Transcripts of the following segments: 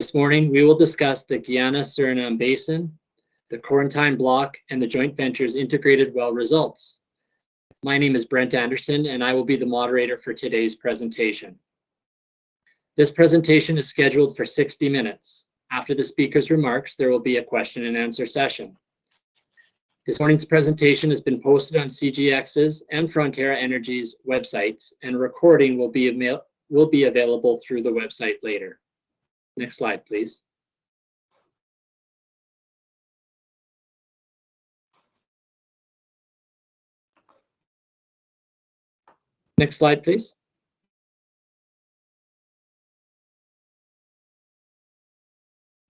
This morning, we will discuss the Guyana-Suriname Basin, the Corentyne Block, and the joint venture's integrated well results. My name is Brent Anderson, and I will be the moderator for today's presentation. This presentation is scheduled for 60 minutes. After the speaker's remarks, there will be a question and answer session. This morning's presentation has been posted on CGX's and Frontera Energy's websites, and a recording will be available through the website later. Next slide, please. Next slide, please.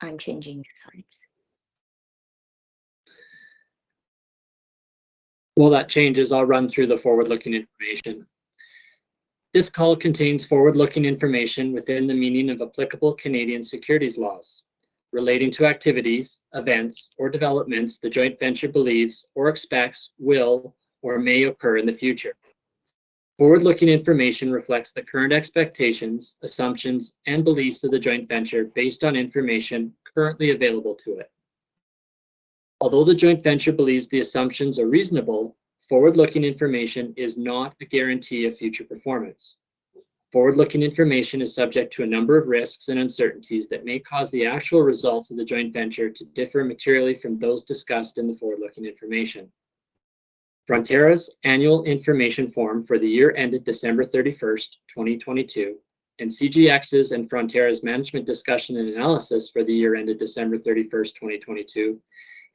I'm changing the slides. While that changes, I'll run through the forward-looking information. This call contains forward-looking information within the meaning of applicable Canadian securities laws, relating to activities, events, or developments the joint venture believes or expects will or may occur in the future. Forward-looking information reflects the current expectations, assumptions, and beliefs of the joint venture based on information currently available to it. Although the joint venture believes the assumptions are reasonable, forward-looking information is not a guarantee of future performance. Forward-looking information is subject to a number of risks and uncertainties that may cause the actual results of the joint venture to differ materially from those discussed in the forward-looking information. Frontera's annual information form for the year ended December 31st, 2022, and CGX's and Frontera's management discussion and analysis for the year ended December 31st, 2022,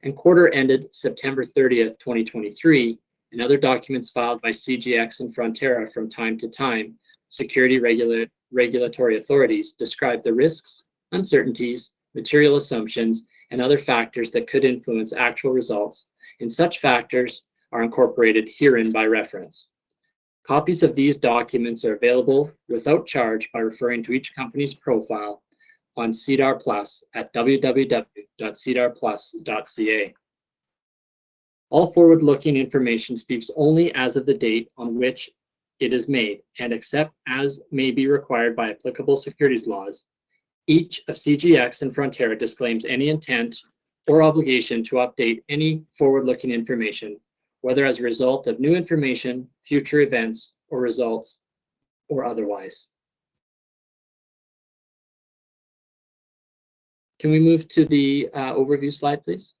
and quarter ended September 30th, 2023, and other documents filed by CGX and Frontera from time to time, security regulatory authorities describe the risks, uncertainties, material assumptions, and other factors that could influence actual results, and such factors are incorporated herein by reference. Copies of these documents are available without charge by referring to each company's profile on SEDAR+ at www.sedarplus.ca. All forward-looking information speaks only as of the date on which it is made, and except as may be required by applicable securities laws, each of CGX and Frontera disclaims any intent or obligation to update any forward-looking information, whether as a result of new information, future events or results, or otherwise. Can we move to the overview slide, please?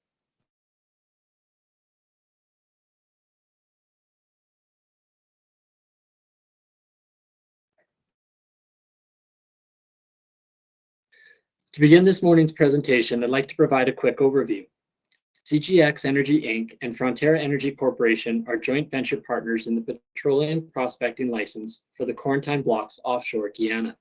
To begin this morning's presentation, I'd like to provide a quick overview. CGX Energy Inc. and Frontera Energy Corporation are joint venture partners in the petroleum prospecting license for the Corentyne Block's offshore Guyana.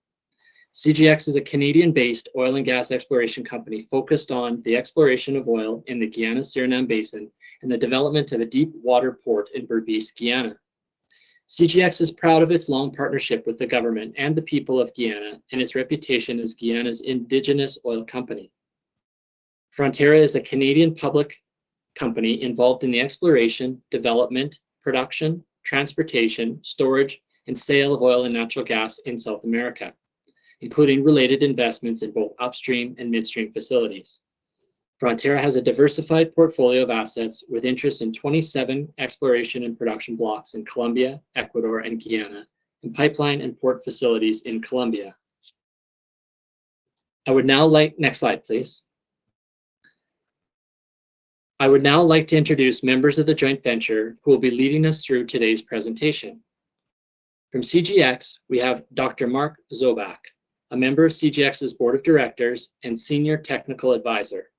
CGX is a Canadian-based oil and gas exploration company focused on the exploration of oil in the Guyana-Suriname Basin and the development of a deepwater port in Berbice, Guyana. CGX is proud of its long partnership with the government and the people of Guyana and its reputation as Guyana's indigenous oil company. Frontera is a Canadian public company involved in the exploration, development, production, transportation, storage, and sale of oil and natural gas in South America, including related investments in both upstream and midstream facilities. Frontera has a diversified portfolio of assets with interest in 27 exploration and production blocks in Colombia, Ecuador, and Guyana, and pipeline and port facilities in Colombia. I would now like... Next slide, please. I would now like to introduce members of the joint venture who will be leading us through today's presentation. From CGX, we have Dr. Mark Zoback, a member of CGX's Board of Directors and Senior Technical Advisor.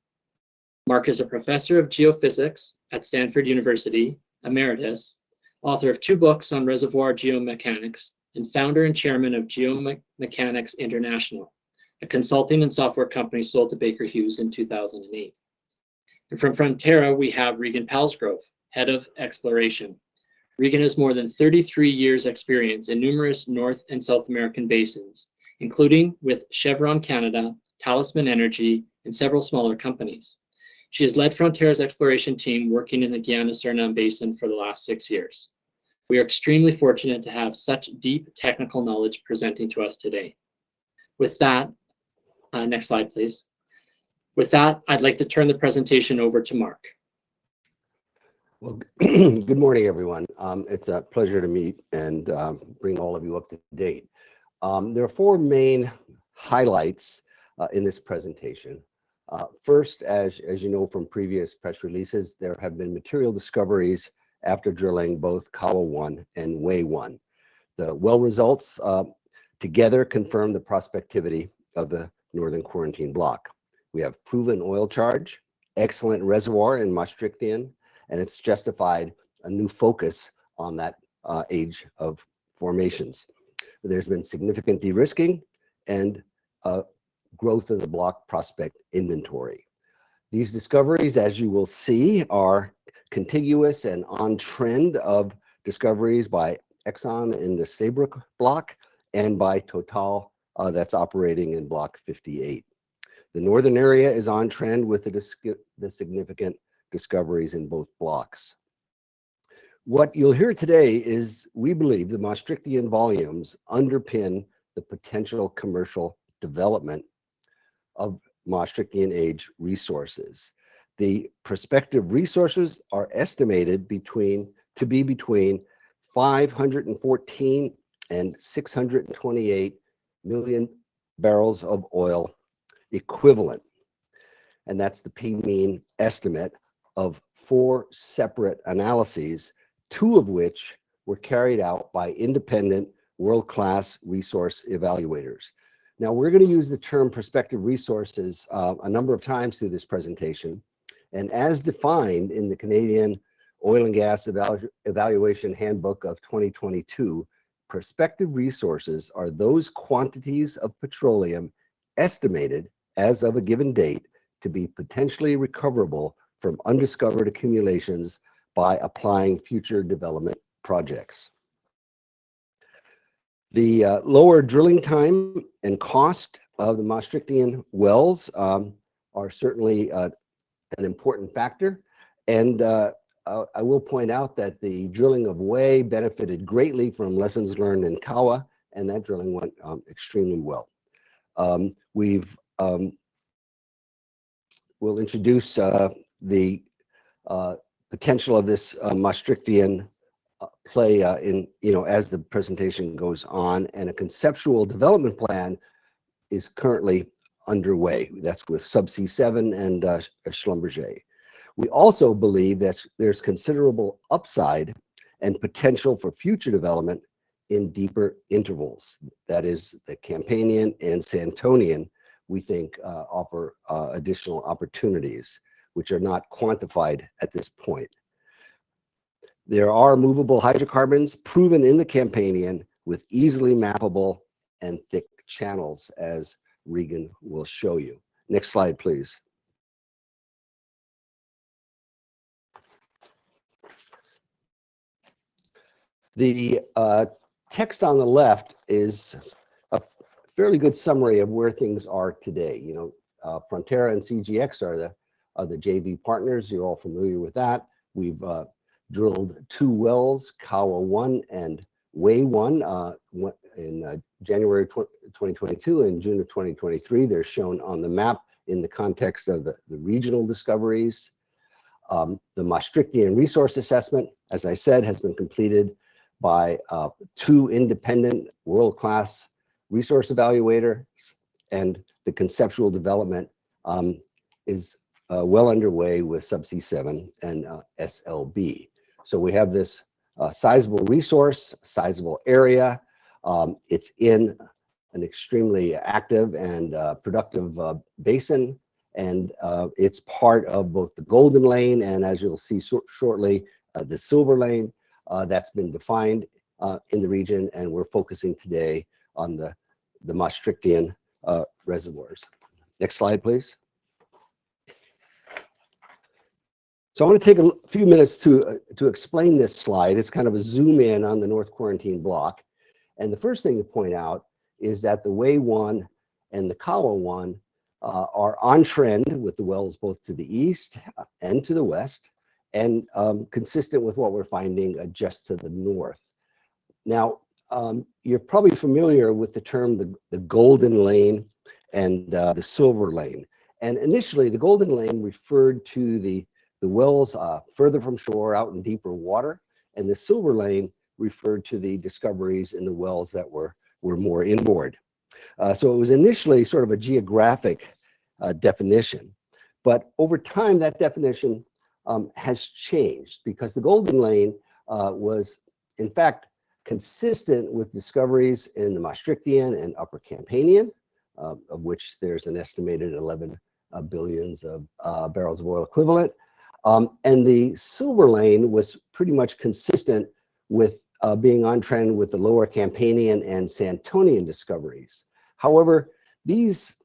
Mark is a professor of geophysics at Stanford University, emeritus, author of two books on reservoir geomechanics, and founder and chairman of Geomechanics International, a consulting and software company sold to Baker Hughes in 2008. And from Frontera, we have Regan Palsgrove, Head of Exploration. Regan has more than 33 years experience in numerous North and South American basins, including with Chevron Canada, Talisman Energy, and several smaller companies. She has led Frontera's exploration team, working in the Guyana-Suriname Basin for the last six years. We are extremely fortunate to have such deep technical knowledge presenting to us today. With that, next slide, please. With that, I'd like to turn the presentation over to Mark. Well, good morning, everyone. It's a pleasure to meet and bring all of you up to date. There are four main highlights in this presentation. First, as you know from previous press releases, there have been material discoveries after drilling both Kawa-1 and Wei-1. The well results together confirm the prospectivity of the Northern Corentyne Block. We have proven oil charge, excellent reservoir in Maastrichtian, and it's justified a new focus on that age of formations. There's been significant de-risking and a growth of the block prospect inventory. These discoveries, as you will see, are contiguous and on trend of discoveries by Exxon in the Stabroek block and by Total, that's operating in Block 58. The northern area is on trend with the significant discoveries in both blocks. What you'll hear today is we believe the Maastrichtian volumes underpin the potential commercial development of Maastrichtian aged resources. The prospective resources are estimated to be between 514 and 628 million barrels of oil equivalent, and that's the PMean estimate of four separate analyses, two of which were carried out by independent world-class resource evaluators. Now, we're gonna use the term prospective resources a number of times through this presentation, and as defined in the Canadian Oil and Gas Evaluation Handbook of 2022, prospective resources are those quantities of petroleum estimated as of a given date to be potentially recoverable from undiscovered accumulations by applying future development projects. The lower drilling time and cost of the Maastrichtian wells are certainly an important factor, and I will point out that the drilling of Wei benefited greatly from lessons learned in Kawa, and that drilling went extremely well. We'll introduce the potential of this Maastrichtian play in, you know, as the presentation goes on, and a conceptual development plan is currently underway. That's with Subsea 7 and Schlumberger. We also believe that there's considerable upside and potential for future development in deeper intervals. That is, the Campanian and Santonian, we think offer additional opportunities which are not quantified at this point. There are movable hydrocarbons proven in the Campanian with easily mappable and thick channels, as Regan will show you. Next slide, please. The text on the left is a fairly good summary of where things are today. You know, Frontera and CGX are the JV partners. You're all familiar with that. We've drilled two wells, Kawa-1 and Wei-1, in January 2022 and June 2023. They're shown on the map in the context of the regional discoveries. The Maastrichtian Resource Assessment, as I said, has been completed by two independent world-class resource evaluators, and the conceptual development is well underway with Subsea 7 and SLB. So we have this sizable resource, sizable area. It's in an extremely active and productive basin, and it's part of both the Golden Lane and, as you'll see shortly, the Silver Lane that's been defined in the region, and we're focusing today on the Maastrichtian reservoirs. Next slide, please. So I want to take a few minutes to explain this slide. It's kind of a zoom in on the Corentyne Block, and the first thing to point out is that the Wei-1 and the Kawa-1 are on trend with the wells, both to the east and to the west, and consistent with what we're finding just to the north. Now, you're probably familiar with the term the Golden Lane and the Silver Lane. Initially, the Golden Lane referred to the wells further from shore, out in deeper water, and the Silver Lane referred to the discoveries in the wells that were more inboard. So it was initially sort of a geographic definition, but over time, that definition has changed because the Golden Lane was, in fact, consistent with discoveries in the Maastrichtian and Upper Campanian, of which there's an estimated 11 billion barrels of oil equivalent. And the Silver Lane was pretty much consistent with being on trend with the lower Campanian and Santonian discoveries. However, these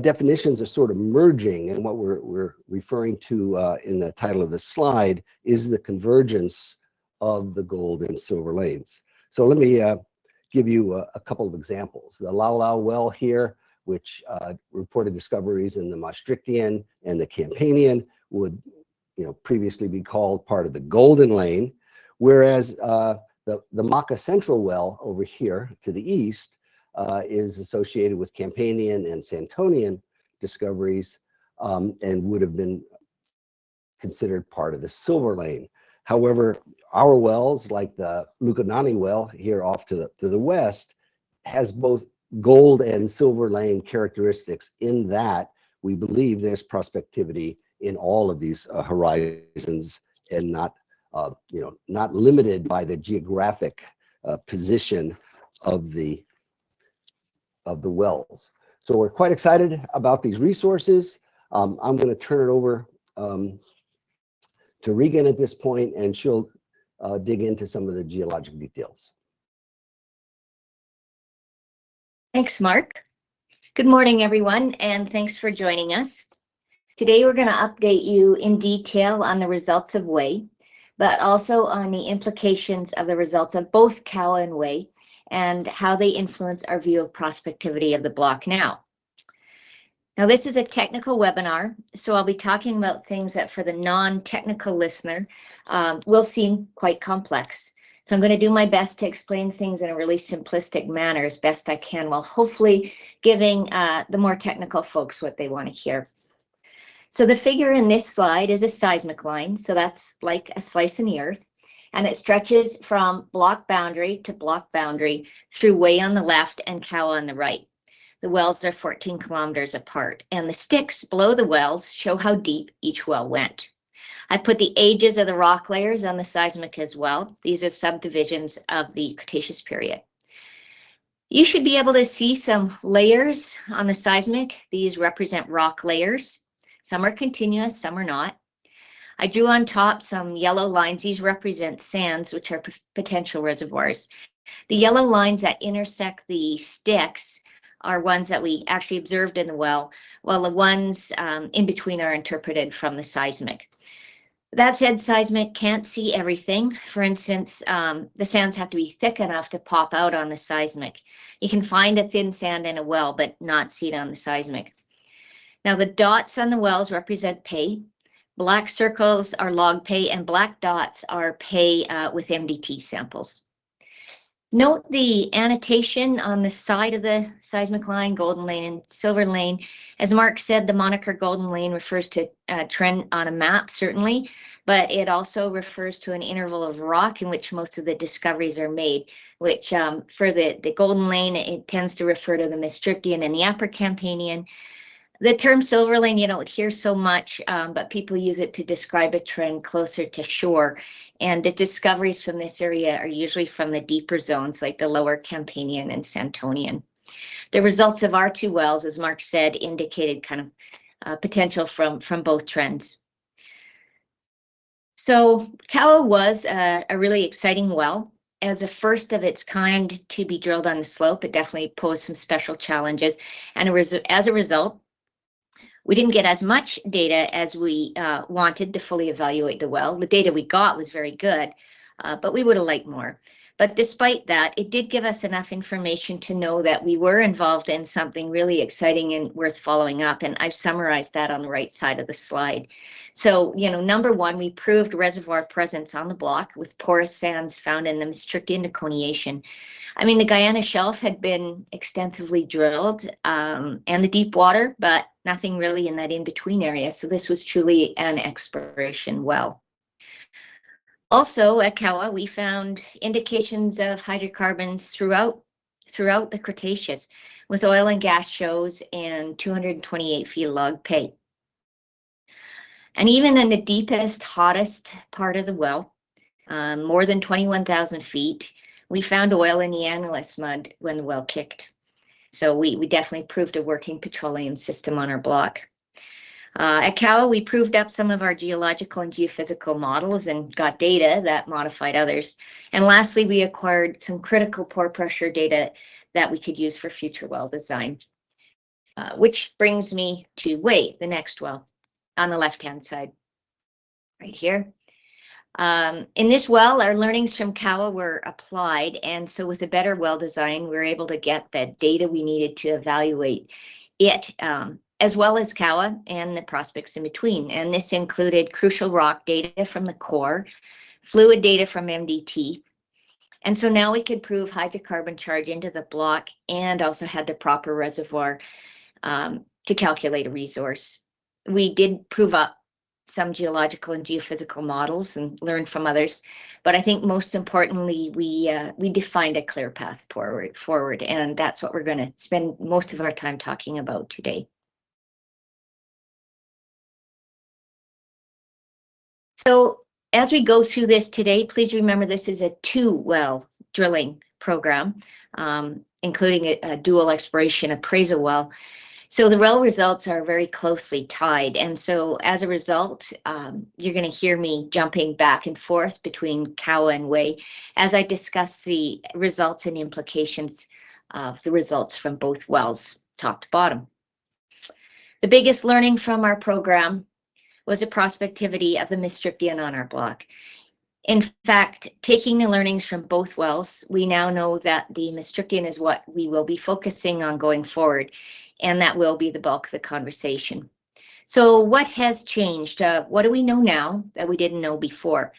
definitions are sort of merging, and what we're referring to in the title of this slide is the convergence of the Gold and Silver Lanes. So let me give you a couple of examples. The Lau Lau well here, which reported discoveries in the Maastrichtian and the Campanian, would, you know, previously be called part of the Golden Lane, whereas the Maka Central well over here to the east is associated with Campanian and Santonian discoveries, and would have been considered part of the Silver Lane. However, our wells, like the well her Lukanani well off to the west, has both Gold and Silver Lane characteristics, in that we believe there's prospectivity in all of these horizons and not, you know, not limited by the geographic position of the wells. So we're quite excited about these resources. I'm gonna turn it over to Regan at this point, and she'll dig into some of the geologic details. Thanks, Mark. Good morning, everyone, and thanks for joining us. Today, we're gonna update you in detail on the results of Wei-1, but also on the implications of the results of both Kawa-1 and Wei-1 and how they influence our view of prospectivity of the block now. Now, this is a technical webinar, so I'll be talking about things that for the non-technical listener will seem quite complex. So I'm gonna do my best to explain things in a really simplistic manner as best I can, while hopefully giving the more technical folks what they wanna hear. So the figure in this slide is a seismic line, so that's like a slice in the earth, and it stretches from block boundary to block boundary through Wei-1 on the left and Kawa-1 on the right. The wells are 14 km apart, and the sticks below the wells show how deep each well went. I've put the ages of the rock layers on the seismic as well. These are subdivisions of the Cretaceous period. You should be able to see some layers on the seismic. These represent rock layers. Some are continuous, some are not. I drew on top some yellow lines. These represent sands, which are potential reservoirs. The yellow lines that intersect the sticks are ones that we actually observed in the well, while the ones in between are interpreted from the seismic. That said, seismic can't see everything. For instance, the sands have to be thick enough to pop out on the seismic. You can find a thin sand in a well, but not see it on the seismic. Now, the dots on the wells represent pay. Black circles are log pay, and black dots are pay with MDT samples. Note the annotation on the side of the seismic line, Golden Lane and Silver Lane. As Mark said, the moniker Golden Lane refers to a trend on a map, certainly, but it also refers to an interval of rock in which most of the discoveries are made, which for the Golden Lane, it tends to refer to the Maastrichtian and the upper Campanian. The term Silver Lane, you don't hear so much, but people use it to describe a trend closer to shore, and the discoveries from this area are usually from the deeper zones, like the lower Campanian and Santonian. The results of our two wells, as Mark said, indicated kind of potential from both trends. So Kawa was a really exciting well. As a first of its kind to be drilled on the slope, it definitely posed some special challenges, and as a result, we didn't get as much data as we wanted to fully evaluate the well. The data we got was very good, but we would've liked more. But despite that, it did give us enough information to know that we were involved in something really exciting and worth following up, and I've summarized that on the right side of the slide. So, you know, number one, we proved reservoir presence on the block, with porous sands found in the Maastrichtian and Coniacian. I mean, the Guyana shelf had been extensively drilled, and the deep water, but nothing really in that in-between area, so this was truly an exploration well. Also, at Kawa, we found indications of hydrocarbons throughout the Cretaceous, with oil and gas shows and 228 ft of log pay. Even in the deepest, hottest part of the well, more than 21,000 ft, we found oil in the annulus mud when the well kicked. So we definitely proved a working petroleum system on our block. At Kawa, we proved up some of our geological and geophysical models and got data that modified others. And lastly, we acquired some critical pore pressure data that we could use for future well design. Which brings me to Wei, the next well, on the left-hand side, right here. In this well, our learnings from Kawa were applied, and so with a better well design, we were able to get the data we needed to evaluate it, as well as Kawa and the prospects in between. This included crucial rock data from the core, fluid data from MDT. So now we could prove hydrocarbon charge into the block and also had the proper reservoir to calculate a resource. We did prove up some geological and geophysical models and learn from others, but I think most importantly, we defined a clear path forward, and that's what we're gonna spend most of our time talking about today. So as we go through this today, please remember this is a two-well drilling program, including a dual exploration appraisal well. So the well results are very closely tied, and so as a result, you're gonna hear me jumping back and forth between Kawa and Wei as I discuss the results and implications of the results from both wells, top to bottom. The biggest learning from our program was the prospectivity of the Maastrichtian on our block. In fact, taking the learnings from both wells, we now know that the Maastrichtian is what we will be focusing on going forward, and that will be the bulk of the conversation. So what has changed? What do we know now that we didn't know before?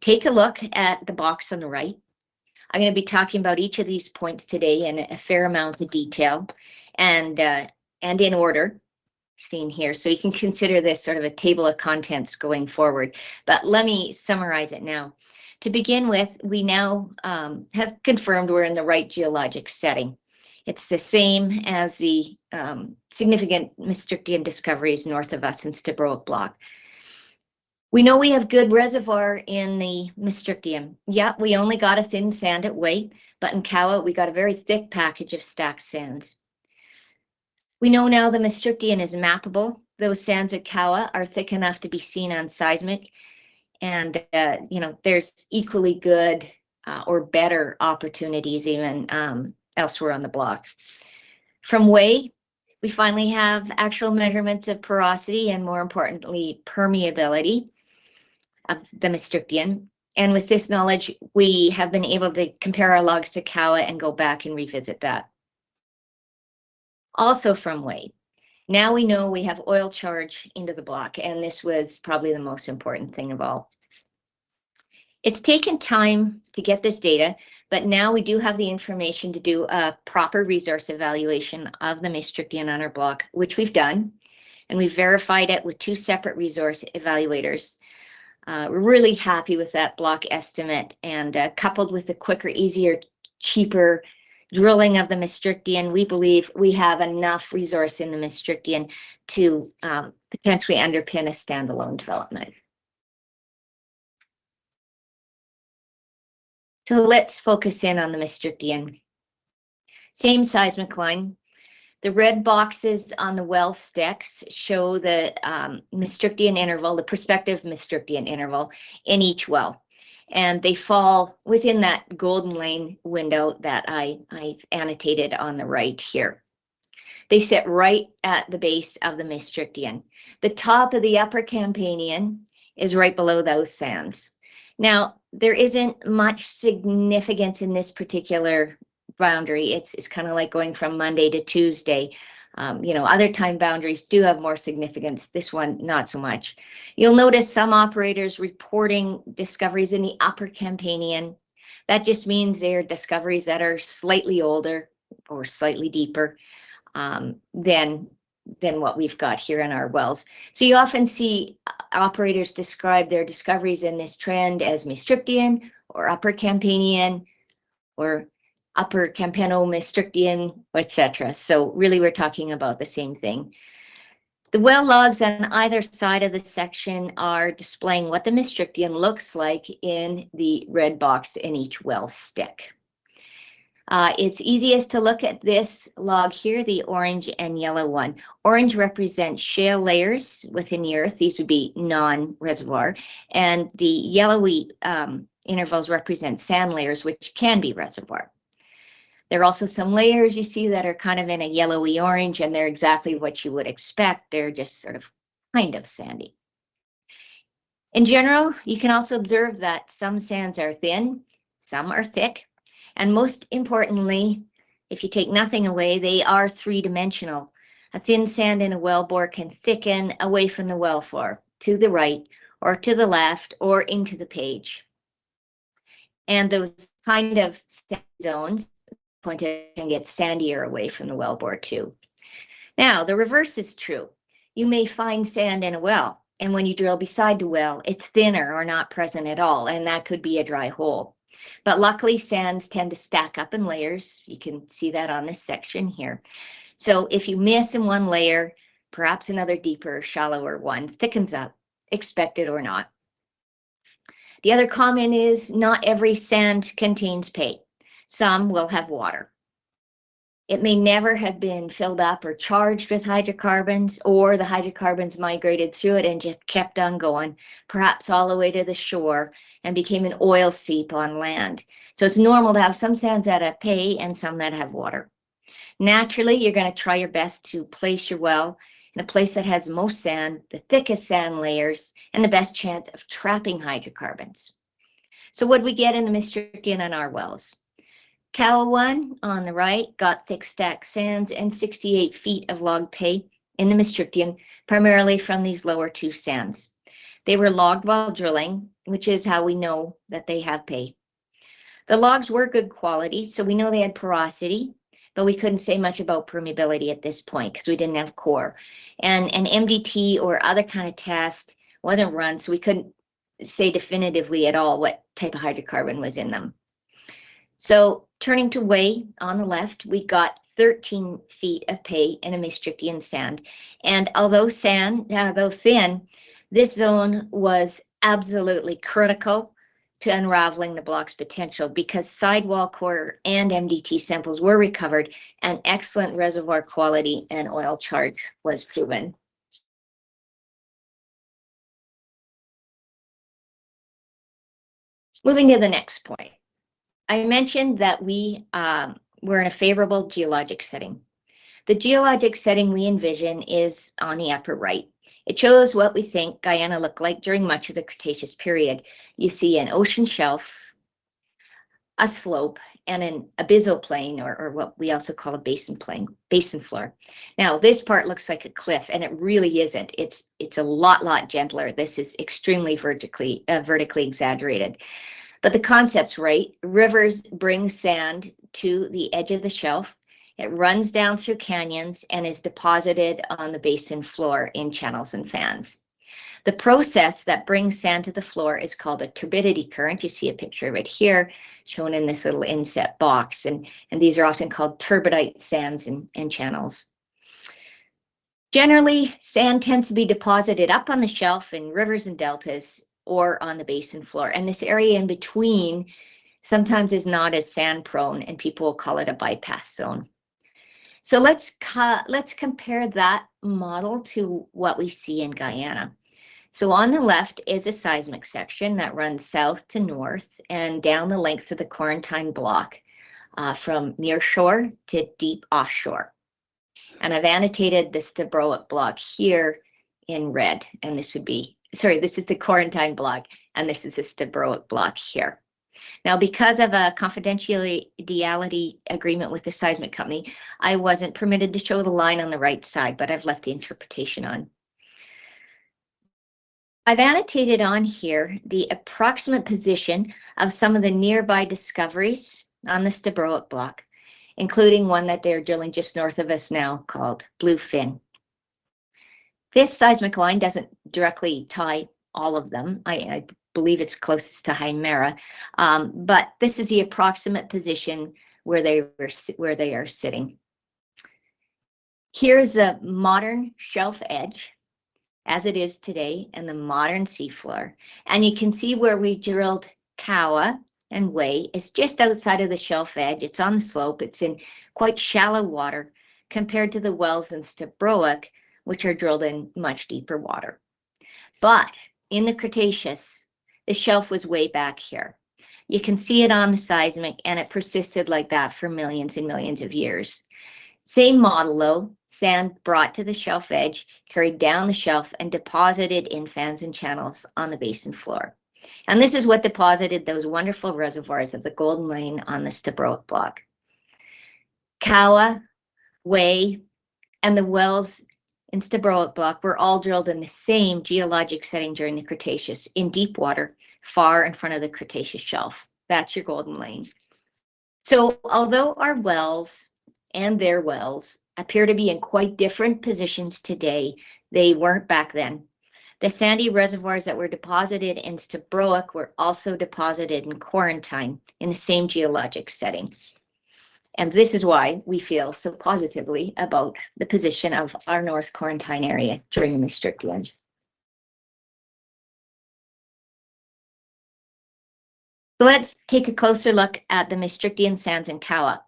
Take a look at the box on the right. I'm gonna be talking about each of these points today in a fair amount of detail and, and in order, seen here. So you can consider this sort of a table of contents going forward, but let me summarize it now. To begin with, we now have confirmed we're in the right geologic setting. It's the same as the significant Maastrichtian discoveries north of us in Stabroek Block. We know we have good reservoir in the Maastrichtian. Yeah, we only got a thin sand at Wei, but in Kawa, we got a very thick package of stacked sands. We know now the Maastrichtian is mappable. Those sands at Kawa are thick enough to be seen on seismic, and you know, there's equally good or better opportunities even elsewhere on the block. From Wei, we finally have actual measurements of porosity and, more importantly, permeability of the Maastrichtian, and with this knowledge, we have been able to compare our logs to Kawa and go back and revisit that. Also from Wei, now we know we have oil charge into the block, and this was probably the most important thing of all. It's taken time to get this data, but now we do have the information to do a proper resource evaluation of the Maastrichtian on our block, which we've done, and we've verified it with two separate resource evaluators. We're really happy with that block estimate, and coupled with the quicker, easier, cheaper drilling of the Maastrichtian, we believe we have enough resource in the Maastrichtian to potentially underpin a standalone development. So let's focus in on the Maastrichtian. Same seismic line. The red boxes on the well sticks show the Maastrichtian interval, the prospective Maastrichtian interval in each well, and they fall within that Golden Lane window that I've annotated on the right here. They sit right at the base of the Maastrichtian. The top of the upper Campanian is right below those sands. Now, there isn't much significance in this particular boundary. It's kind of like going from Monday to Tuesday. You know, other time boundaries do have more significance, this one, not so much. You'll notice some operators reporting discoveries in the upper Campanian. That just means they are discoveries that are slightly older or slightly deeper than what we've got here in our wells. So you often see operators describe their discoveries in this trend as Maastrichtian or upper Campanian, or upper Campanian Maastrichtian, et cetera. So really, we're talking about the same thing. The well logs on either side of the section are displaying what the Maastrichtian looks like in the red box in each well stick. It's easiest to look at this log here, the orange and yellow one. Orange represents shale layers within the earth. These would be non-reservoir, and the yellowy intervals represent sand layers, which can be reservoir. There are also some layers you see that are kind of in a yellowy orange, and they're exactly what you would expect. They're just sort of, kind of sandy. In general, you can also observe that some sands are thin, some are thick, and most importantly, if you take nothing away, they are three-dimensional. A thin sand in a wellbore can thicken away from the wellbore to the right, or to the left, or into the page. Those kind of sand zones can get sandier away from the wellbore, too. Now, the reverse is true. You may find sand in a well, and when you drill beside the well, it's thinner or not present at all, and that could be a dry hole. But luckily, sands tend to stack up in layers. You can see that on this section here. So if you miss in one layer, perhaps another deeper, shallower one thickens up, expected or not. The other comment is, not every sand contains pay. Some will have water. It may never have been filled up or charged with hydrocarbons, or the hydrocarbons migrated through it and just kept on going, perhaps all the way to the shore, and became an oil seep on land. So it's normal to have some sands that have pay and some that have water. Naturally, you're gonna try your best to place your well in a place that has the most sand, the thickest sand layers, and the best chance of trapping hydrocarbons. So what'd we get in the Maastrichtian in our wells? Kawa-1, on the right, got thick stack sands and 68 ft of logged pay in the Maastrichtian, primarily from these lower two sands. They were logged while drilling, which is how we know that they have pay. The logs were good quality, so we know they had porosity, but we couldn't say much about permeability at this point 'cause we didn't have core. And an MDT or other kind of test wasn't run, so we couldn't say definitively at all what type of hydrocarbon was in them. So turning to Wei-1, on the left, we got 13 ft of pay in a Maastrichtian sand. Although sand, though thin, this zone was absolutely critical to unraveling the block's potential because sidewall core and MDT samples were recovered, and excellent reservoir quality and oil charge was proven. Moving to the next point. I mentioned that we, we're in a favorable geologic setting. The geologic setting we envision is on the upper right. It shows what we think Guyana looked like during much of the Cretaceous period. You see an ocean shelf, a slope, and an abyssal plain, or what we also call a basin plain, basin floor. Now, this part looks like a cliff, and it really isn't. It's a lot gentler. This is extremely vertically exaggerated. But the concept's right. Rivers bring sand to the edge of the shelf. It runs down through canyons and is deposited on the basin floor in channels and fans. The process that brings sand to the floor is called a turbidity current. You see a picture of it here, shown in this little inset box, and these are often called turbidite sands and channels. Generally, sand tends to be deposited up on the shelf in rivers and deltas or on the basin floor, and this area in between sometimes is not as sand-prone, and people call it a bypass zone. So let's compare that model to what we see in Guyana. So on the left is a seismic section that runs south to north and down the length of the Corentyne Block from near shore to deep offshore, and I've annotated the Stabroek Block here in red, and this would be - Sorry, this is the Corentyne Block, and this is the Stabroek Block here. Now, because of a confidentiality agreement with the seismic company, I wasn't permitted to show the line on the right side, but I've left the interpretation on. I've annotated on here the approximate position of some of the nearby discoveries on the Stabroek Block, including one that they're drilling just north of us now, called Bluefin. This seismic line doesn't directly tie all of them. I, I believe it's closest to Haimara, but this is the approximate position where they are sitting. Here's a modern shelf edge as it is today, and the modern sea floor, and you can see where we drilled Kawa and Wei is just outside of the shelf edge. It's on the slope. It's in quite shallow water compared to the wells in Stabroek, which are drilled in much deeper water. But in the Cretaceous, the shelf was way back here. You can see it on the seismic, and it persisted like that for millions and millions of years. Same model, though. Sand brought to the shelf edge, carried down the shelf, and deposited in fans and channels on the basin floor. And this is what deposited those wonderful reservoirs of the Golden Lane on the Stabroek Block. Kawa, Wei, and the wells in Stabroek Block were all drilled in the same geologic setting during the Cretaceous, in deep water, far in front of the Cretaceous shelf. That's your Golden Lane. So although our wells and their wells appear to be in quite different positions today, they weren't back then. The sandy reservoirs that were deposited into Stabroek were also deposited in Corentyne, in the same geologic setting. And this is why we feel so positively about the position of our North Corentyne area during the Maastrichtian. Let's take a closer look at the Maastrichtian sands in Kawa.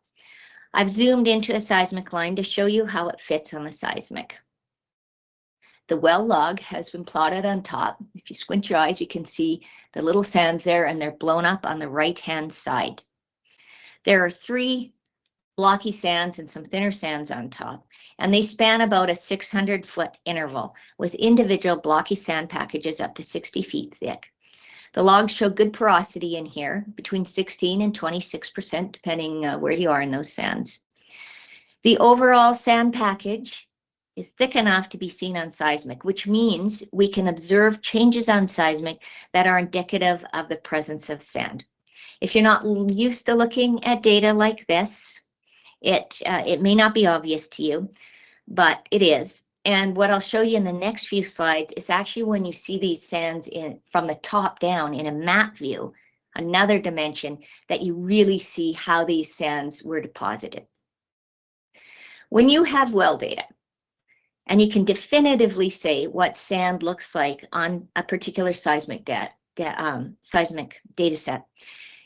I've zoomed into a seismic line to show you how it fits on the seismic. The well log has been plotted on top. If you squint your eyes, you can see the little sands there, and they're blown up on the right-hand side. There are three blocky sands and some thinner sands on top, and they span about a 600-foot interval, with individual blocky sand packages up to 60 ft thick. The logs show good porosity in here, between 16% and 26%, depending where you are in those sands. The overall sand package is thick enough to be seen on seismic, which means we can observe changes on seismic that are indicative of the presence of sand. If you're not used to looking at data like this, it may not be obvious to you, but it is. What I'll show you in the next few slides is actually when you see these sands, from the top down in a map view, another dimension, that you really see how these sands were deposited. When you have well data, and you can definitively say what sand looks like on a particular seismic data set,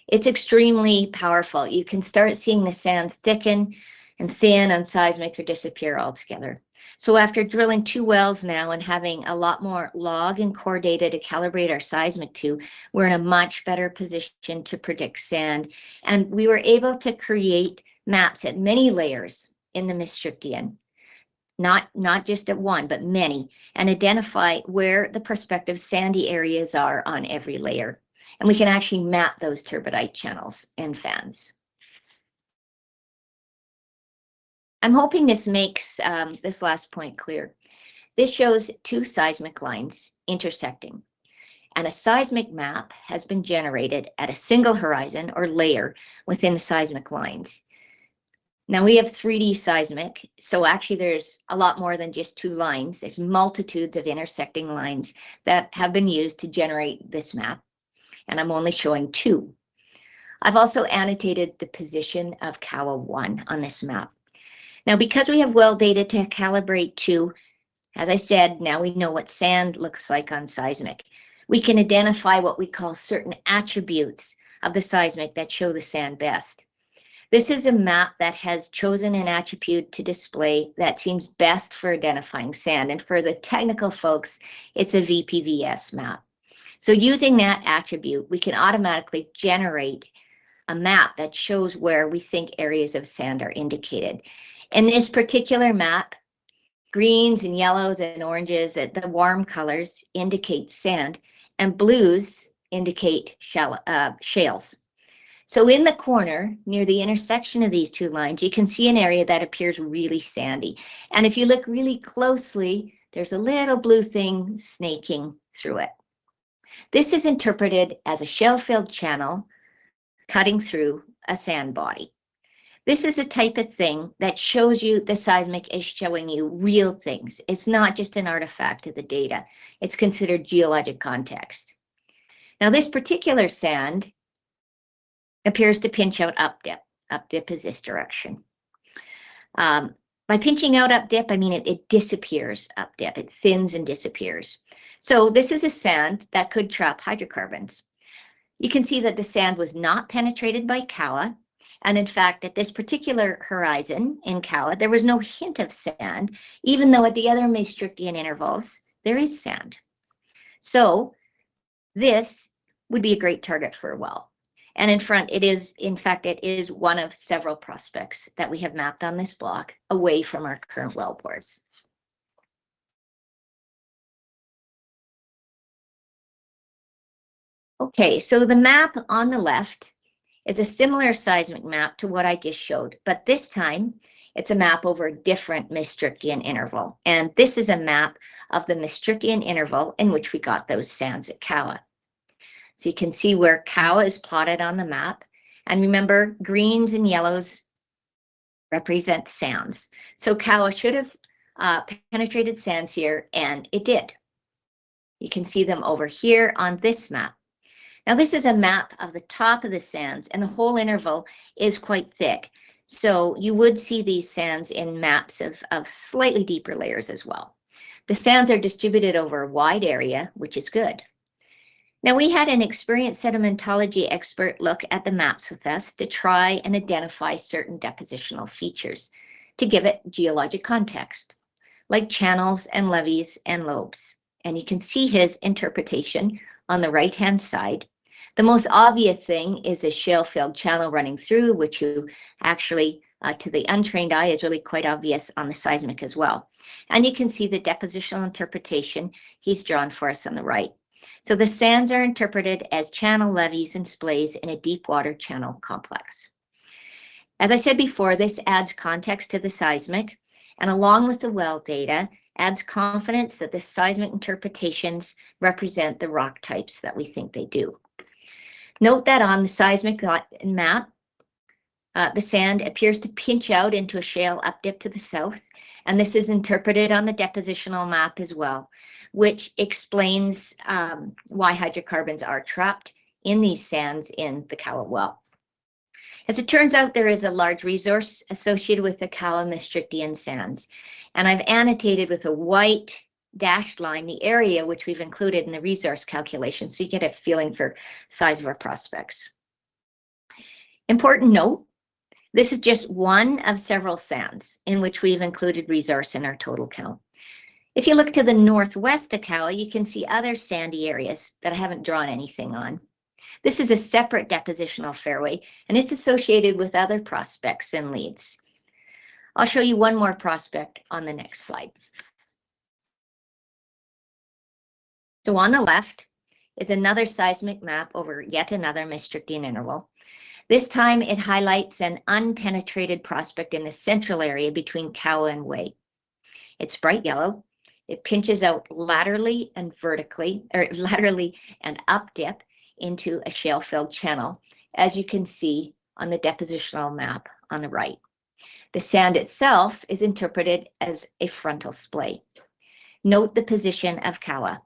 it's extremely powerful. You can start seeing the sands thicken and thin on seismic or disappear altogether. So after drilling two wells now and having a lot more log and core data to calibrate our seismic to, we're in a much better position to predict sand, and we were able to create maps at many layers in the Maastrichtian. Not, not just at one, but many, and identify where the prospective sandy areas are on every layer. And we can actually map those turbidite channels and fans. I'm hoping this makes this last point clear. This shows two seismic lines intersecting, and a seismic map has been generated at a single horizon or layer within the seismic lines. Now, we have 3D seismic, so actually, there's a lot more than just two lines. There's multitudes of intersecting lines that have been used to generate this map, and I'm only showing two. I've also annotated the position of Kawa-1 on this map. Now, because we have well data to calibrate to, as I said, now we know what sand looks like on seismic. We can identify what we call certain attributes of the seismic that show the sand best. This is a map that has chosen an attribute to display that seems best for identifying sand, and for the technical folks, it's a Vp/Vs map. So using that attribute, we can automatically generate a map that shows where we think areas of sand are indicated. In this particular map, greens and yellows and oranges, the warm colors indicate sand, and blues indicate shale, shales. So in the corner, near the intersection of these two lines, you can see an area that appears really sandy, and if you look really closely, there's a little blue thing snaking through it. This is interpreted as a shale-filled channel cutting through a sand body. This is a type of thing that shows you the seismic is showing you real things. It's not just an artifact of the data. It's considered geologic context. Now, this particular sand appears to pinch out up-dip. Up-dip is this direction. By pinching out up-dip, I mean it, it disappears up-dip. It thins and disappears. So this is a sand that could trap hydrocarbons. You can see that the sand was not penetrated by Kawa, and in fact, at this particular horizon in Kawa, there was no hint of sand, even though at the other Maastrichtian intervals, there is sand. So this would be a great target for a well, and in front it is, in fact, it is one of several prospects that we have mapped on this block away from our current wellbores. Okay, so the map on the left is a similar seismic map to what I just showed, but this time it's a map over a different Maastrichtian interval. This is a map of the Maastrichtian interval in which we got those sands at Kawa. So you can see where Kawa is plotted on the map, and remember, greens and yellows represent sands. So Kawa should have penetrated sands here, and it did. You can see them over here on this map. Now, this is a map of the top of the sands, and the whole interval is quite thick, so you would see these sands in maps of slightly deeper layers as well. The sands are distributed over a wide area, which is good. Now, we had an experienced sedimentology expert look at the maps with us to try and identify certain depositional features to give it geologic context, like channels and levees and lobes, and you can see his interpretation on the right-hand side. The most obvious thing is a shale-filled channel running through, which you actually to the untrained eye is really quite obvious on the seismic as well. You can see the depositional interpretation he's drawn for us on the right. So the sands are interpreted as channel levees and splays in a deep-water channel complex. As I said before, this adds context to the seismic, and along with the well data, adds confidence that the seismic interpretations represent the rock types that we think they do. Note that on the seismic map, the sand appears to pinch out into a shale up-dip to the south, and this is interpreted on the depositional map as well, which explains why hydrocarbons are trapped in these sands in the Kawa well. As it turns out, there is a large resource associated with the Kawa Maastrichtian sands, and I've annotated with a white dashed line, the area which we've included in the resource calculation, so you get a feeling for size of our prospects. Important note, this is just one of several sands in which we've included resource in our total count. If you look to the northwest of Kawa, you can see other sandy areas that I haven't drawn anything on. This is a separate depositional fairway, and it's associated with other prospects and leads. I'll show you one more prospect on the next slide. So on the left is another seismic map over yet another Maastrichtian interval. This time it highlights an unpenetrated prospect in the central area between Kawa and Wei. It's bright yellow. It pinches out laterally and vertically, or laterally and up-dip into a shale-filled channel, as you can see on the depositional map on the right. The sand itself is interpreted as a frontal splay. Note the position of Kawa.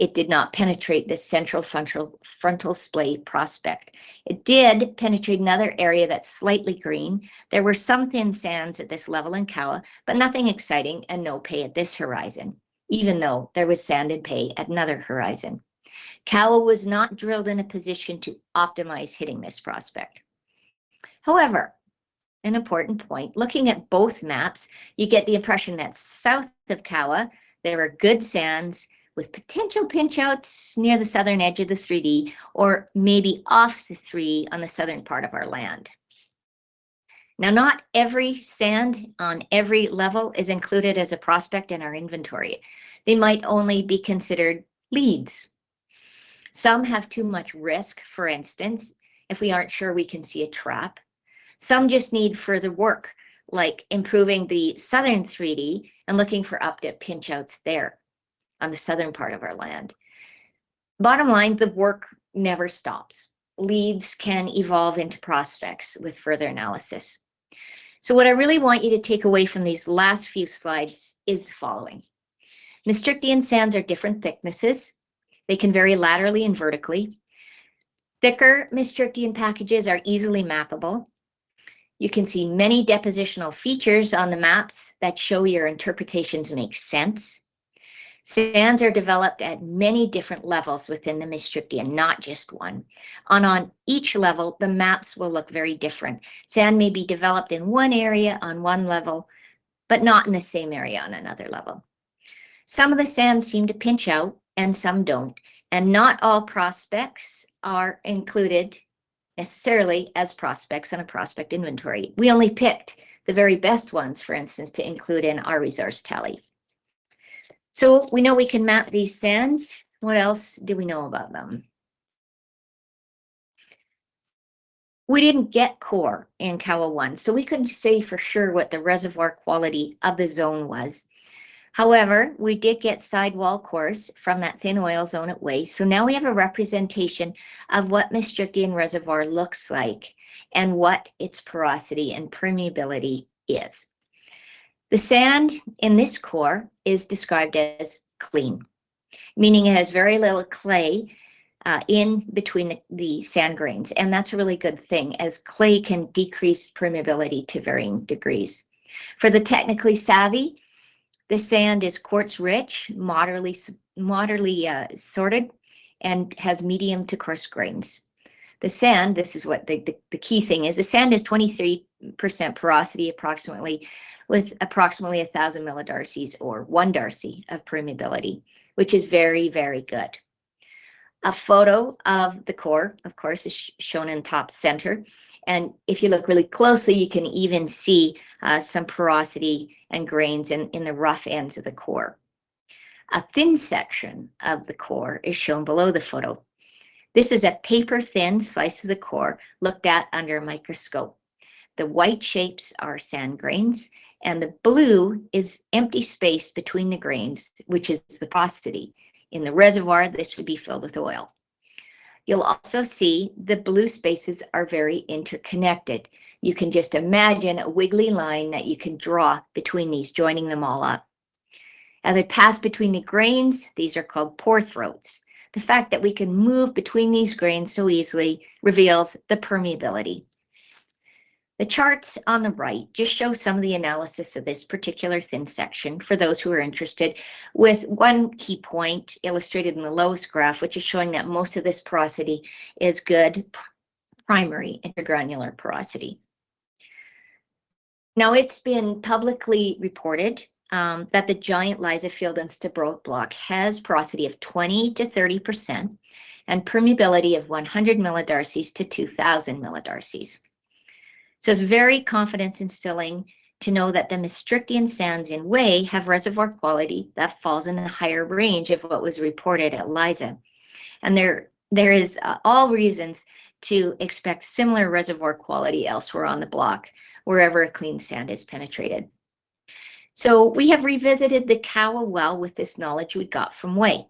It did not penetrate this central frontal splay prospect. It did penetrate another area that's slightly green. There were some thin sands at this level in Kawa-1, but nothing exciting and no pay at this horizon, even though there was sand and pay at another horizon. Kawa-1 was not drilled in a position to optimize hitting this prospect. However, an important point, looking at both maps, you get the impression that south of Kawa-1, there are good sands with potential pinch outs near the southern edge of the 3D, or maybe off the 3D on the southern part of our land. Now, not every sand on every level is included as a prospect in our inventory. They might only be considered leads. Some have too much risk, for instance, if we aren't sure we can see a trap. Some just need further work, like improving the southern 3D and looking for up-dip pinch outs there on the southern part of our land. Bottom line, the work never stops. Leads can evolve into prospects with further analysis. So what I really want you to take away from these last few slides is the following: Maastrichtian sands are different thicknesses. They can vary laterally and vertically. Thicker Maastrichtian packages are easily mappable. You can see many depositional features on the maps that show your interpretations make sense. Sands are developed at many different levels within the Maastrichtian, not just one. And on each level, the maps will look very different. Sand may be developed in one area on one level, but not in the same area on another level. Some of the sands seem to pinch out, and some don't, and not all prospects are included necessarily as prospects in a prospect inventory. We only picked the very best ones, for instance, to include in our resource tally. So we know we can map these sands. What else do we know about them? We didn't get core in Kawa-1, so we couldn't say for sure what the reservoir quality of the zone was. However, we did get sidewall cores from that thin oil zone at Wei-1. So now we have a representation of what Maastrichtian reservoir looks like and what its porosity and permeability is. The sand in this core is described as clean, meaning it has very little clay in between the sand grains, and that's a really good thing, as clay can decrease permeability to varying degrees. For the technically savvy, the sand is quartz-rich, moderately sorted, and has medium to coarse grains. The sand, this is what the key thing is, the sand is 23% porosity, approximately, with approximately 1,000 md or 1 d of permeability, which is very, very good. A photo of the core, of course, is shown in top center, and if you look really closely, you can even see some porosity and grains in the rough ends of the core. A thin section of the core is shown below the photo. This is a paper-thin slice of the core looked at under a microscope. The white shapes are sand grains, and the blue is empty space between the grains, which is the porosity. In the reservoir, this would be filled with oil. You'll also see the blue spaces are very interconnected. You can just imagine a wiggly line that you can draw between these, joining them all up. As I pass between the grains, these are called pore throats. The fact that we can move between these grains so easily reveals the permeability. The charts on the right just show some of the analysis of this particular thin section, for those who are interested, with one key point illustrated in the lowest graph, which is showing that most of this porosity is good primary intergranular porosity. Now, it's been publicly reported that the giant Liza field in Stabroek Block has porosity of 20%-30% and permeability of 100 md-2,000 md. So it's very confidence-instilling to know that the Maastrichtian sands in Wei have reservoir quality that falls in the higher range of what was reported at Liza, and there is all reasons to expect similar reservoir quality elsewhere on the block, wherever a clean sand is penetrated. So we have revisited the Kawa well with this knowledge we got from Wei.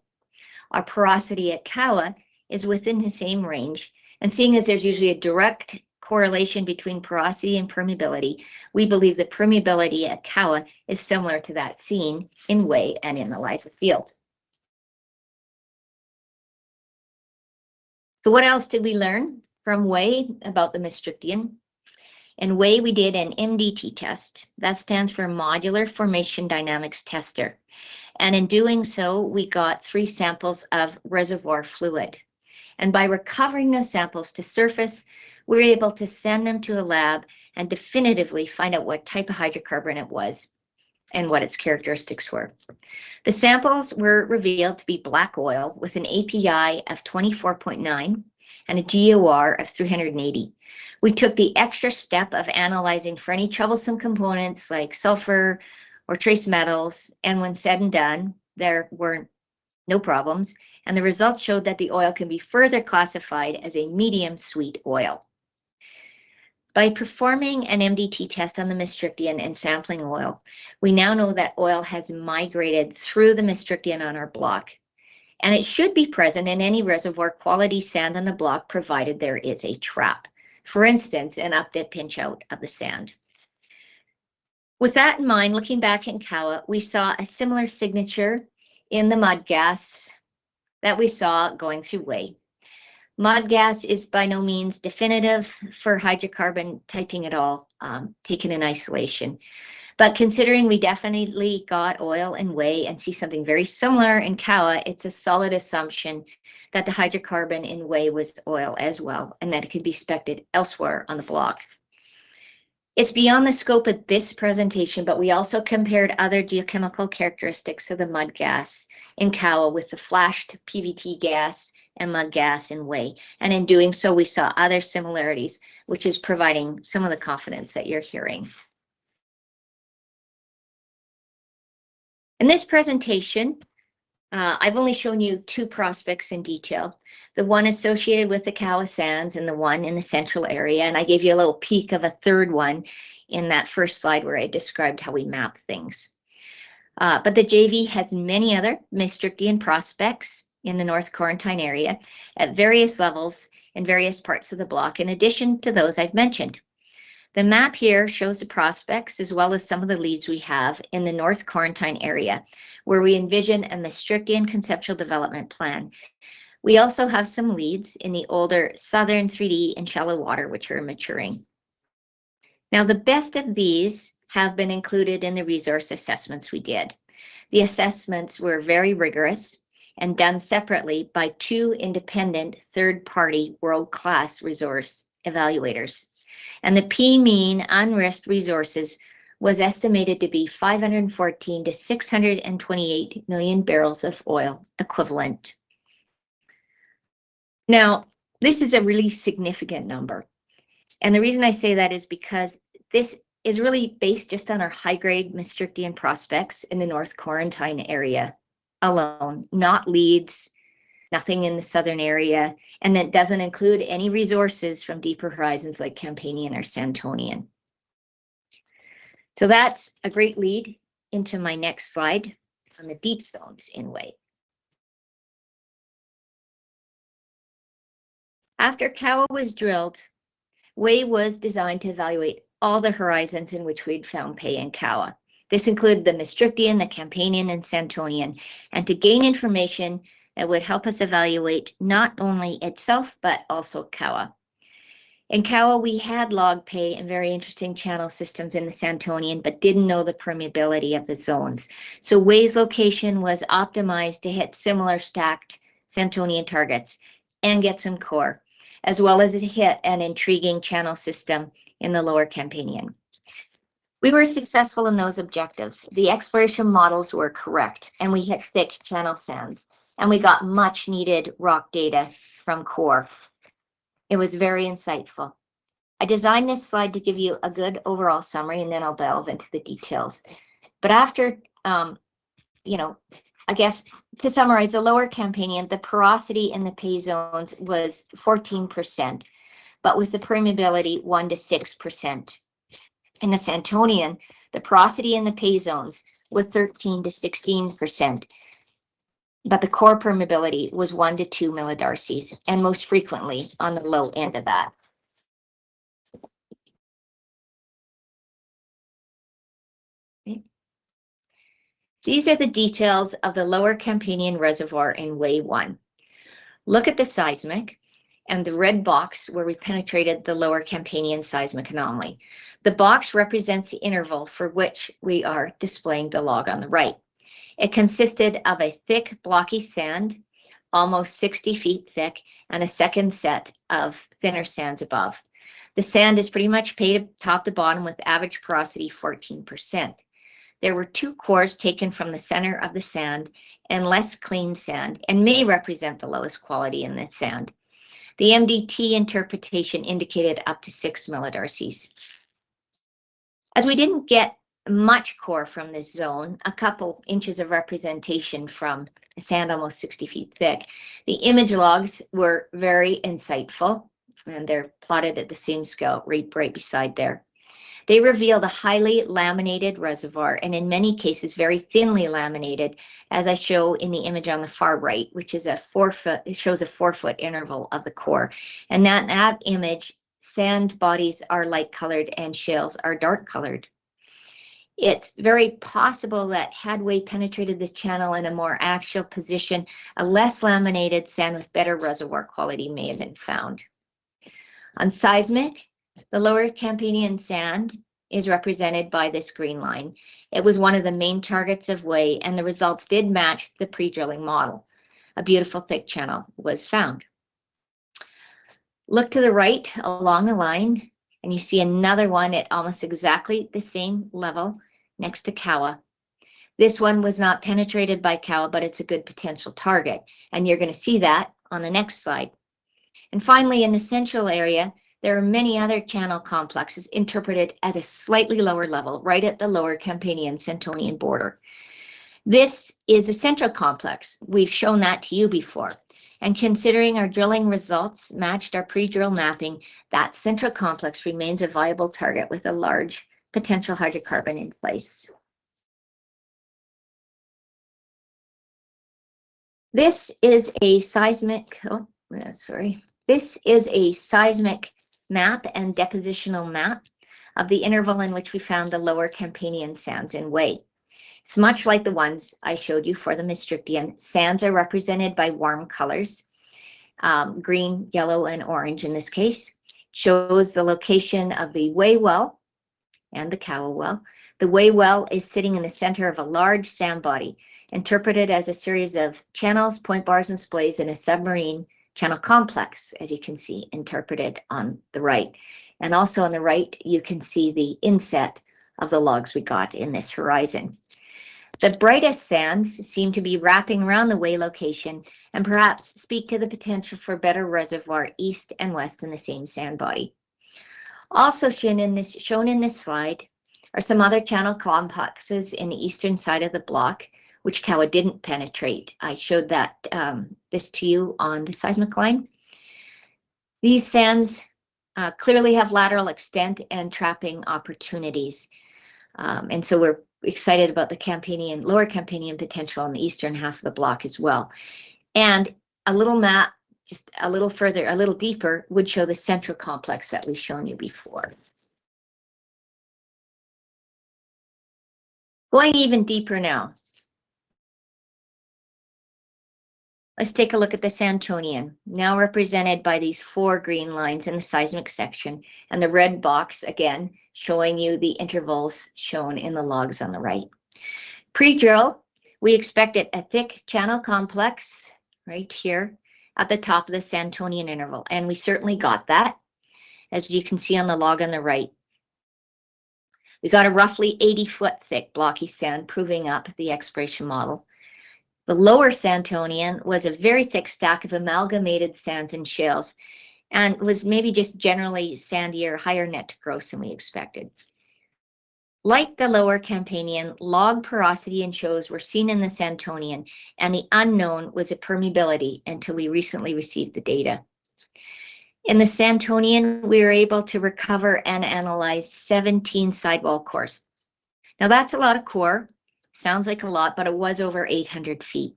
Our porosity at Kawa is within the same range, and seeing as there's usually a direct correlation between porosity and permeability, we believe the permeability at Kawa is similar to that seen in Wei and in the Liza field. So what else did we learn from Wei about the Maastrichtian? In Wei, we did an MDT test. That stands for Modular Formation Dynamics Tester, and in doing so, we got three samples of reservoir fluid, and by recovering those samples to surface, we're able to send them to a lab and definitively find out what type of hydrocarbon it was and what its characteristics were. The samples were revealed to be black oil, with an API of 24.9 and a GOR of 380. We took the extra step of analyzing for any troublesome components, like sulfur or trace metals, and when said and done, there were no problems, and the results showed that the oil can be further classified as a medium sweet oil. By performing an MDT test on the Maastrichtian and sampling oil, we now know that oil has migrated through the Maastrichtian on our block, and it should be present in any reservoir quality sand on the block, provided there is a trap. For instance, an up-dip pinch-out of the sand. With that in mind, looking back in Kawa, we saw a similar signature in the mud gas that we saw going through Wei. Mud gas is by no means definitive for hydrocarbon typing at all, taken in isolation. But considering we definitely got oil in Wei and see something very similar in Kawa, it's a solid assumption that the hydrocarbon in Wei was oil as well, and that it could be expected elsewhere on the block. It's beyond the scope of this presentation, but we also compared other geochemical characteristics of the mud gas in Kawa with the flashed PBT gas and mud gas in Wei, and in doing so, we saw other similarities, which is providing some of the confidence that you're hearing. In this presentation, I've only shown you two prospects in detail, the one associated with the Kawa sands and the one in the central area, and I gave you a little peek of a third one in that first slide, where I described how we map things. But the JV has many other Maastrichtian prospects in the North Corentyne area at various levels in various parts of the block, in addition to those I've mentioned. The map here shows the prospects, as well as some of the leads we have in the North Corentyne area, where we envision a Maastrichtian conceptual development plan. We also have some leads in the older southern 3D and shallow water, which are maturing. Now, the best of these have been included in the resource assessments we did. The assessments were very rigorous and done separately by two independent, third-party, world-class resource evaluators, and the P mean unrisked resources was estimated to be 514-628 million barrels of oil equivalent. Now, this is a really significant number, and the reason I say that is because this is really based just on our high-grade Maastrichtian prospects in the North Corentyne area alone, not leads, nothing in the southern area, and it doesn't include any resources from deeper horizons, like Campanian or Santonian. So that's a great lead into my next slide on the deep zones in Wei-1. After Kawa-1 was drilled, Wei-1 was designed to evaluate all the horizons in which we'd found pay in Kawa-1. This included the Maastrichtian, the Campanian, and Santonian, and to gain information that would help us evaluate not only itself, but also Kawa-1. In Kawa-1, we had log pay and very interesting channel systems in the Santonian but didn't know the permeability of the zones. So Wei-1's location was optimized to hit similar stacked Santonian targets and get some core, as well as it hit an intriguing channel system in the Lower Campanian.... We were successful in those objectives. The exploration models were correct, and we hit thick channel sands, and we got much needed rock data from core. It was very insightful. I designed this slide to give you a good overall summary, and then I'll delve into the details. But after, I guess to summarize, the Lower Campanian, the porosity in the pay zones was 14%, but with the permeability, 1%-6%. In the Santonian, the porosity in the pay zones were 13%-16%, but the core permeability was 1 md-2 md, and most frequently on the low end of that. These are the details of the Lower Campanian reservoir in Wei-1. Look at the seismic and the red box where we penetrated the Lower Campanian seismic anomaly. The box represents the interval for which we are displaying the log on the right. It consisted of a thick, blocky sand, almost 60 ft thick, and a second set of thinner sands above. The sand is pretty much pay top to bottom with average porosity 14%. There were two cores taken from the center of the sand and less clean sand, and may represent the lowest quality in this sand. The MDT interpretation indicated up to 6 md. As we didn't get much core from this zone, a couple inches of representation from sand, almost 60 ft thick, the image logs were very insightful, and they're plotted at the same scale, right, right beside there. They revealed a highly laminated reservoir, and in many cases, very thinly laminated, as I show in the image on the far right, which is a four-foot interval of the core. And that image, sand bodies are light-colored and shales are dark-colored. It's very possible that had Wei-1 penetrated this channel in a more axial position, a less laminated sand with better reservoir quality may have been found. On seismic, the Lower Campanian sand is represented by this green line. It was one of the main targets of Wei-1, and the results did match the pre-drilling model. A beautiful thick channel was found. Look to the right along the line, and you see another one at almost exactly the same level next to Kawa-1. This one was not penetrated by Kawa, but it's a good potential target, and you're gonna see that on the next slide. Finally, in the central area, there are many other channel complexes interpreted at a slightly lower level, right at the Lower Campanian/Santonian border. This is a central complex. We've shown that to you before, and considering our drilling results matched our pre-drill mapping, that central complex remains a viable target with a large potential hydrocarbon in place. This is a seismic map and depositional map of the interval in which we found the Lower Campanian sands in Wei. It's much like the ones I showed you for the Maastrichtian. Sands are represented by warm colors, green, yellow, and orange, in this case. Shows the location of the Wei Well and the Kawa Well. The Wei-1 well is sitting in the center of a large sand body, interpreted as a series of channels, point bars, and splays in a submarine channel complex, as you can see, interpreted on the right. Also on the right, you can see the inset of the logs we got in this horizon. The brightest sands seem to be wrapping around the Wei-1 location and perhaps speak to the potential for a better reservoir, east and west, in the same sand body. Also shown in this, shown in this slide are some other channel complexes in the eastern side of the block, which Kawa-1 didn't penetrate. I showed that, this to you on the seismic line. These sands clearly have lateral extent and trapping opportunities, and so we're excited about the Campanian, Lower Campanian potential in the eastern half of the block as well. And a little map, just a little further, a little deeper, would show the central complex that we've shown you before. Going even deeper now. Let's take a look at the Santonian, now represented by these four green lines in the seismic section, and the red box, again, showing you the intervals shown in the logs on the right. Pre-drill, we expected a thick channel complex right here at the top of the Santonian interval, and we certainly got that, as you can see on the log on the right. We got a roughly 80-foot thick, blocky sand, proving up the exploration model. The lower Santonian was a very thick stack of amalgamated sands and shales, and was maybe just generally sandier, higher net to gross than we expected. Like the Lower Campanian, log porosity and shows were seen in the Santonian, and the unknown was the permeability until we recently received the data. In the Santonian, we were able to recover and analyze 17 sidewall cores. Now, that's a lot of core. Sounds like a lot, but it was over 800 ft.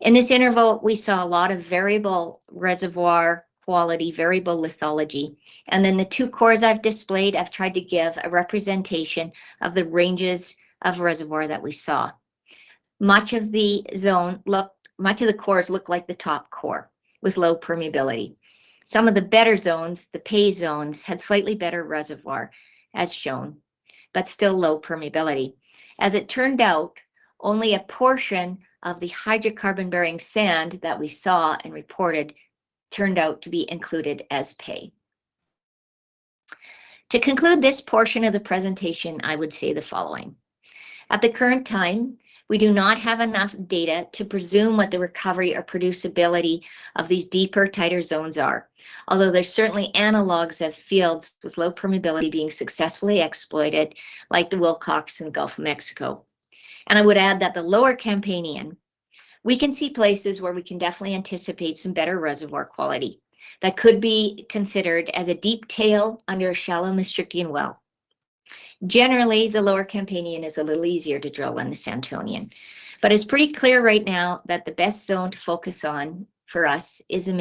In this interval, we saw a lot of variable reservoir quality, variable lithology, and then the two cores I've displayed, I've tried to give a representation of the ranges of reservoir that we saw. Much of the zone looked... Much of the cores looked like the top core, with low permeability. Some of the better zones, the pay zones, had slightly better reservoir, as shown, but still low permeability. As it turned out, only a portion of the hydrocarbon-bearing sand that we saw and reported turned out to be included as pay. To conclude this portion of the presentation, I would say the following: at the current time, we do not have enough data to presume what the recovery or producibility of these deeper, tighter zones are, although there's certainly analogs of fields with low permeability being successfully exploited, like the Wilcox in the Gulf of Mexico. I would add that the Lower Campanian, we can see places where we can definitely anticipate some better reservoir quality that could be considered as a deep tail under a shallow Maastrichtian well. Generally, the Lower Campanian is a little easier to drill than the Santonian, but it's pretty clear right now that the best zone to focus on for us is a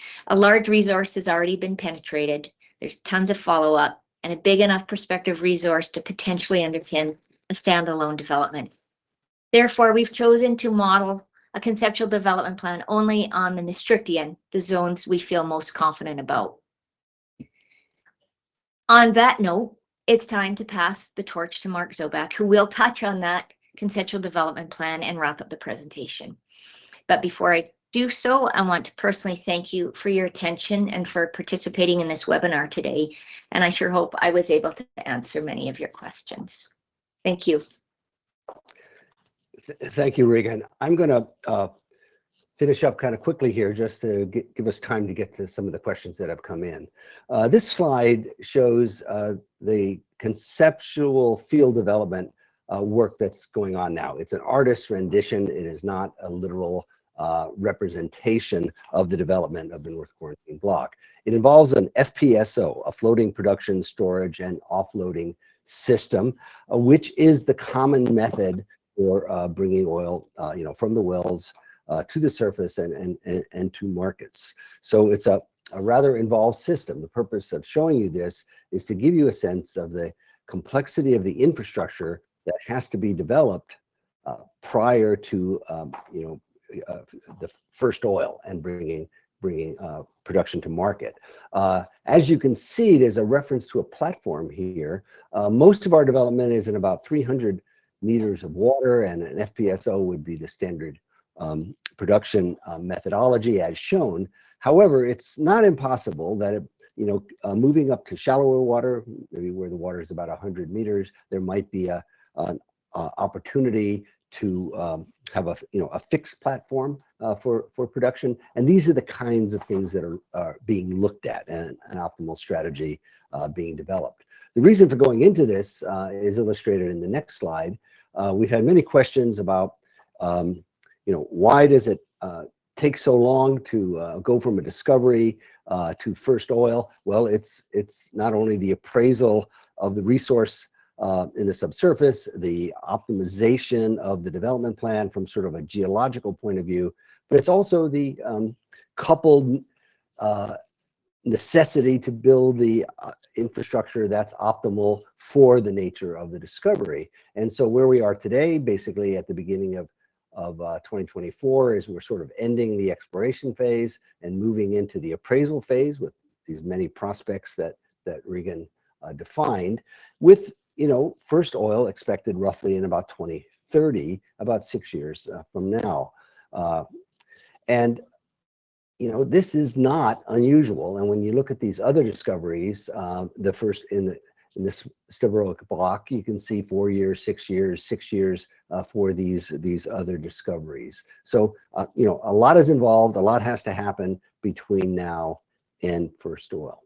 Maastrichtian. A large resource has already been penetrated, there's tons of follow-up, and a big enough prospective resource to potentially underpin a standalone development. Therefore, we've chosen to model a conceptual development plan only on the Maastrichtian, the zones we feel most confident about. On that note, it's time to pass the torch to Mark Zoback, who will touch on that conceptual development plan and wrap up the presentation. But before I do so, I want to personally thank you for your attention and for participating in this webinar today, and I sure hope I was able to answer many of your questions. Thank you. Thank you, Regan. I'm gonna finish up kind of quickly here, just to give us time to get to some of the questions that have come in. This slide shows the conceptual field development work that's going on now. It's an artist's rendition. It is not a literal representation of the development of the Corentyne Block. It involves an FPSO, a floating production, storage, and offloading system, which is the common method for bringing oil, you know, from the wells to the surface and to markets. So it's a rather involved system. The purpose of showing you this is to give you a sense of the complexity of the infrastructure that has to be developed prior to, you know, the first oil, and bringing production to market. As you can see, there's a reference to a platform here. Most of our development is in about 300 m of water, and an FPSO would be the standard production methodology, as shown. However, it's not impossible that, you know, moving up to shallower water, maybe where the water is about 100 m, there might be an opportunity to, you know, have a fixed platform for production. These are the kinds of things that are being looked at, and an optimal strategy being developed. The reason for going into this is illustrated in the next slide. We've had many questions about, you know, why does it take so long to go from a discovery to first oil? Well, it's not only the appraisal of the resource in the subsurface, the optimization of the development plan from sort of a geological point of view, but it's also the coupled necessity to build the infrastructure that's optimal for the nature of the discovery. And so where we are today, basically at the beginning of 2024, is we're sort of ending the exploration phase and moving into the appraisal phase with these many prospects that Regan defined, with, you know, first oil expected roughly in about 2030, about six years from now. And, you know, this is not unusual. And when you look at these other discoveries, the first in the, in this Stabroek Block, you can see four years, six years, six years for these, these other discoveries. So, you know, a lot is involved, a lot has to happen between now and first oil.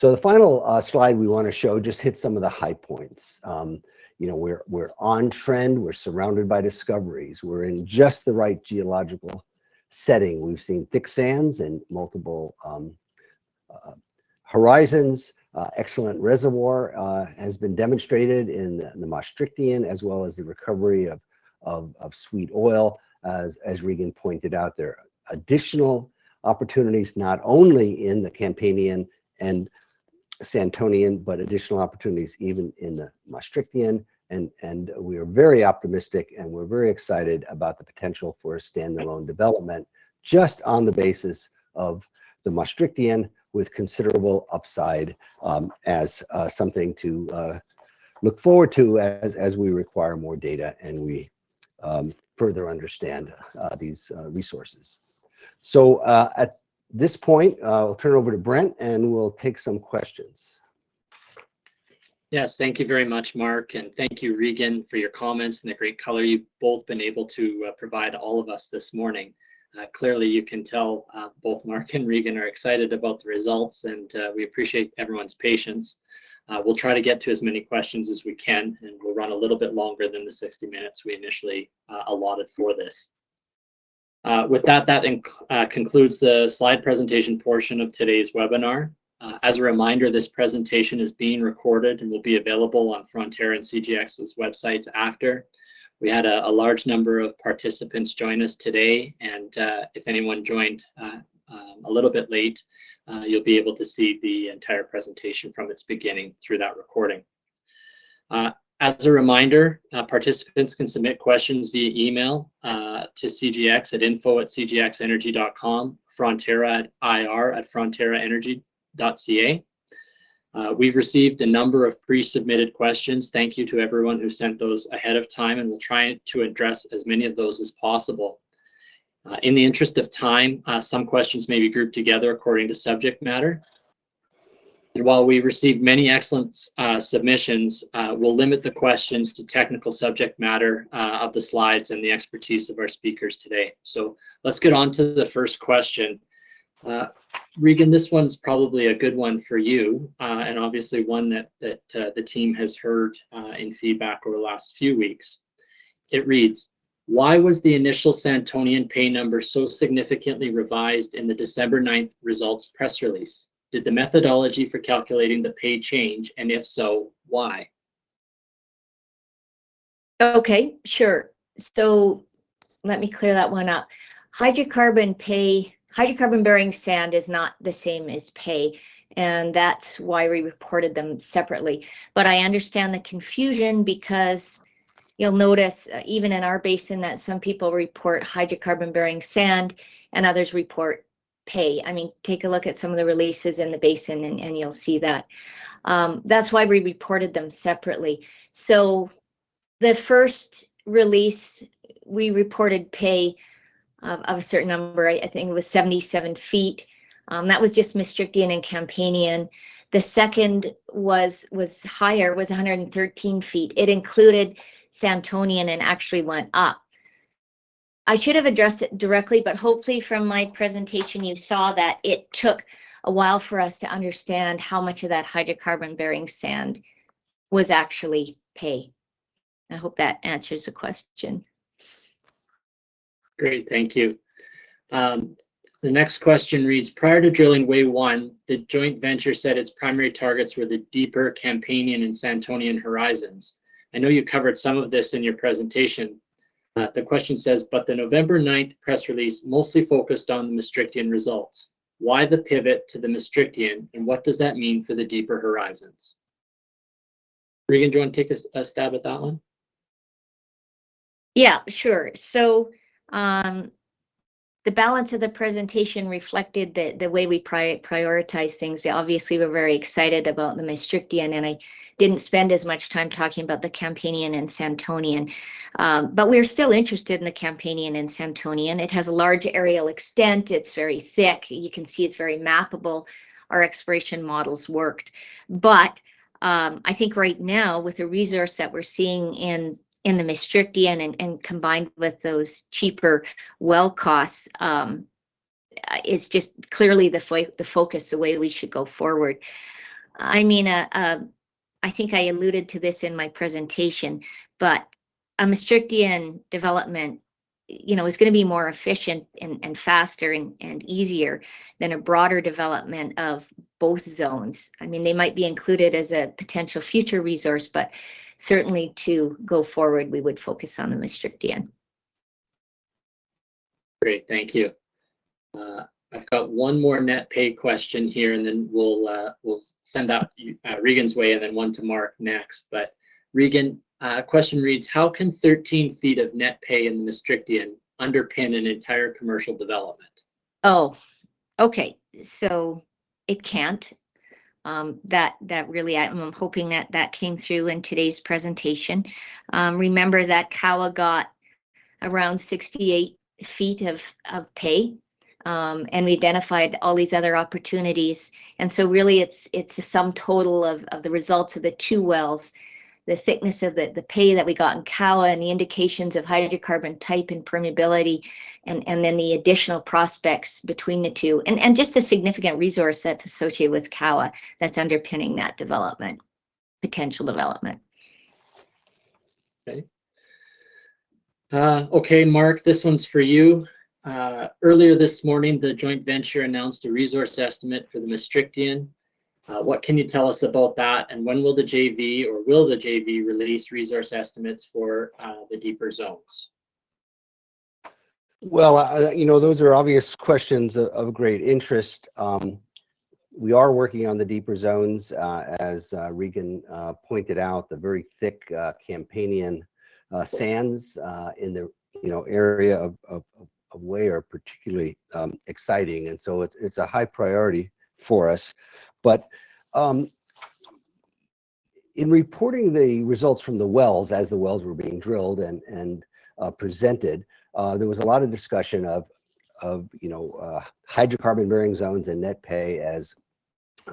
So the final slide we want to show just hits some of the high points. You know, we're on trend, we're surrounded by discoveries, we're in just the right geological setting. We've seen thick sands in multiple horizons. Excellent reservoir has been demonstrated in the Maastrichtian, as well as the recovery of sweet oil. As Regan pointed out, there are additional opportunities, not only in the Campanian and Santonian, but additional opportunities even in the Maastrichtian. We are very optimistic, and we're very excited about the potential for a standalone development, just on the basis of the Maastrichtian, with considerable upside, as something to look forward to as we acquire more data and we further understand these resources. So, at this point, I'll turn it over to Brent, and we'll take some questions. Yes, thank you very much, Mark, and thank you, Regan, for your comments and the great color you've both been able to provide all of us this morning. Clearly, you can tell both Mark and Regan are excited about the results, and we appreciate everyone's patience. We'll try to get to as many questions as we can, and we'll run a little bit longer than the 60 minutes we initially allotted for this. With that, that concludes the slide presentation portion of today's webinar. As a reminder, this presentation is being recorded and will be available on Frontera and CGX's websites after. We had a large number of participants join us today, and if anyone joined a little bit late, you'll be able to see the entire presentation from its beginning through that recording. As a reminder, participants can submit questions via email to info@cgxenergy.com, ir@fronteraenergy.ca.... We've received a number of pre-submitted questions. Thank you to everyone who sent those ahead of time, and we'll try to address as many of those as possible. In the interest of time, some questions may be grouped together according to subject matter. And while we've received many excellent submissions, we'll limit the questions to technical subject matter of the slides and the expertise of our speakers today. So let's get onto the first question. Regan, this one's probably a good one for you, and obviously one that the team has heard in feedback over the last few weeks. It reads, "Why was the initial Santonian pay number so significantly revised in the December 9th results press release? Did the methodology for calculating the pay change, and if so, why? Okay, sure. So let me clear that one up. Hydrocarbon pay- hydrocarbon-bearing sand is not the same as pay, and that's why we reported them separately. But I understand the confusion because you'll notice, even in our basin, that some people report hydrocarbon-bearing sand and others report pay. I mean, take a look at some of the releases in the basin and you'll see that. That's why we reported them separately. So the first release, we reported pay of a certain number. I think it was 77 ft. That was just Maastrichtian and Campanian. The second was higher, 113 ft. It included Santonian and actually went up. I should have addressed it directly, but hopefully from my presentation, you saw that it took a while for us to understand how much of that hydrocarbon-bearing sand was actually pay. I hope that answers the question. Great, thank you. The next question reads, "Prior to drilling Wei-1, the joint venture said its primary targets were the deeper Campanian and Santonian horizons." I know you covered some of this in your presentation, the question says, "But the November 9th press release mostly focused on the Maastrichtian results. Why the pivot to the Maastrichtian, and what does that mean for the deeper horizons?" Regan, do you want to take a stab at that one? Yeah, sure. So, the balance of the presentation reflected the, the way we prioritize things. Obviously, we're very excited about the Maastrichtian, and I didn't spend as much time talking about the Campanian and Santonian. But we're still interested in the Campanian and Santonian. It has a large areal extent, it's very thick. You can see it's very mappable. Our exploration models worked. But, I think right now, with the resource that we're seeing in, in the Maastrichtian and, and combined with those cheaper well costs, it's just clearly the focus, the way we should go forward. I mean, I think I alluded to this in my presentation, but a Maastrichtian development, you know, is gonna be more efficient and, and faster and, and easier than a broader development of both zones. I mean, they might be included as a potential future resource, but certainly to go forward, we would focus on the Maastrichtian. Great, thank you. I've got one more net pay question here, and then we'll, we'll send out to, Regan's way, and then one to Mark next. But Regan, a question reads, "How can 13 ft of net pay in the Maastrichtian underpin an entire commercial development? Oh, okay, so it can't. That really... I'm hoping that that came through in today's presentation. Remember that Kawa got around 68 ft of pay, and we identified all these other opportunities, and so really it's a sum total of the results of the two wells, the thickness of the pay that we got in Kawa, and the indications of hydrocarbon type and permeability, and then the additional prospects between the two, and just the significant resource that's associated with Kawa that's underpinning that development potential. Okay. Okay, Mark, this one's for you. "Earlier this morning, the joint venture announced a resource estimate for the Maastrichtian. What can you tell us about that? And when will the JV or will the JV release resource estimates for the deeper zones? Well, you know, those are obvious questions of great interest. We are working on the deeper zones. As Regan pointed out, the very thick Campanian sands in the, you know, area of Wei are particularly exciting, and so it's a high priority for us. But in reporting the results from the wells as the wells were being drilled and presented, there was a lot of discussion of, you know, hydrocarbon-bearing zones and net pay, as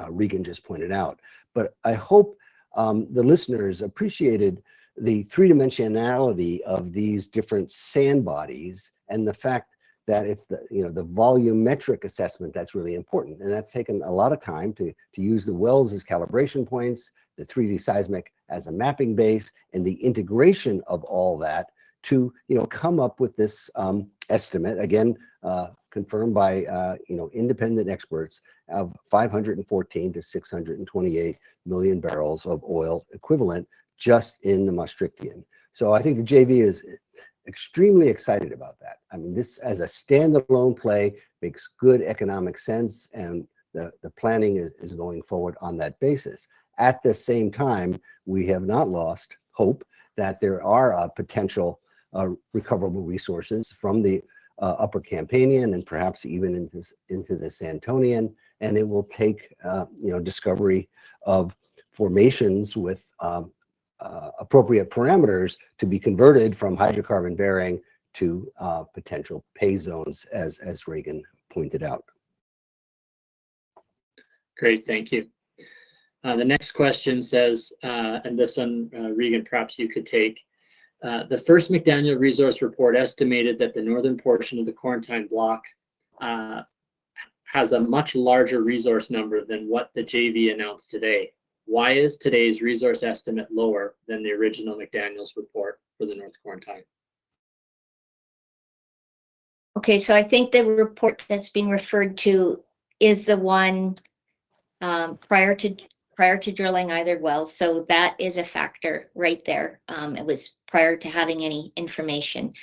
Regan just pointed out. But I hope the listeners appreciated the three-dimensionality of these different sand bodies and the fact that it's the, you know, the volumetric assessment that's really important. That's taken a lot of time to use the wells as calibration points, the 3D seismic as a mapping base, and the integration of all that to, you know, come up with this estimate, again, confirmed by, you know, independent experts, of 514-628 million barrels of oil equivalent just in the Maastrichtian. So I think the JV is extremely excited about that. I mean, this, as a standalone play, makes good economic sense, and the planning is going forward on that basis. At the same time, we have not lost hope that there are potential recoverable resources from the Upper Campanian and perhaps even into the Santonian. It will take, you know, discovery of formations with appropriate parameters to be converted from hydrocarbon-bearing to potential pay zones, as Regan pointed out. Great, thank you. The next question says, and this one, Regan, perhaps you could take. The first McDaniel resource report estimated that the northern portion of the Corentyne Block has a much larger resource number than what the JV announced today. Why is today's resource estimate lower than the original McDaniel's report for the North Corentyne? Okay, so I think the report that's being referred to is the one, prior to drilling either well, so that is a factor right there. It was prior to having any information.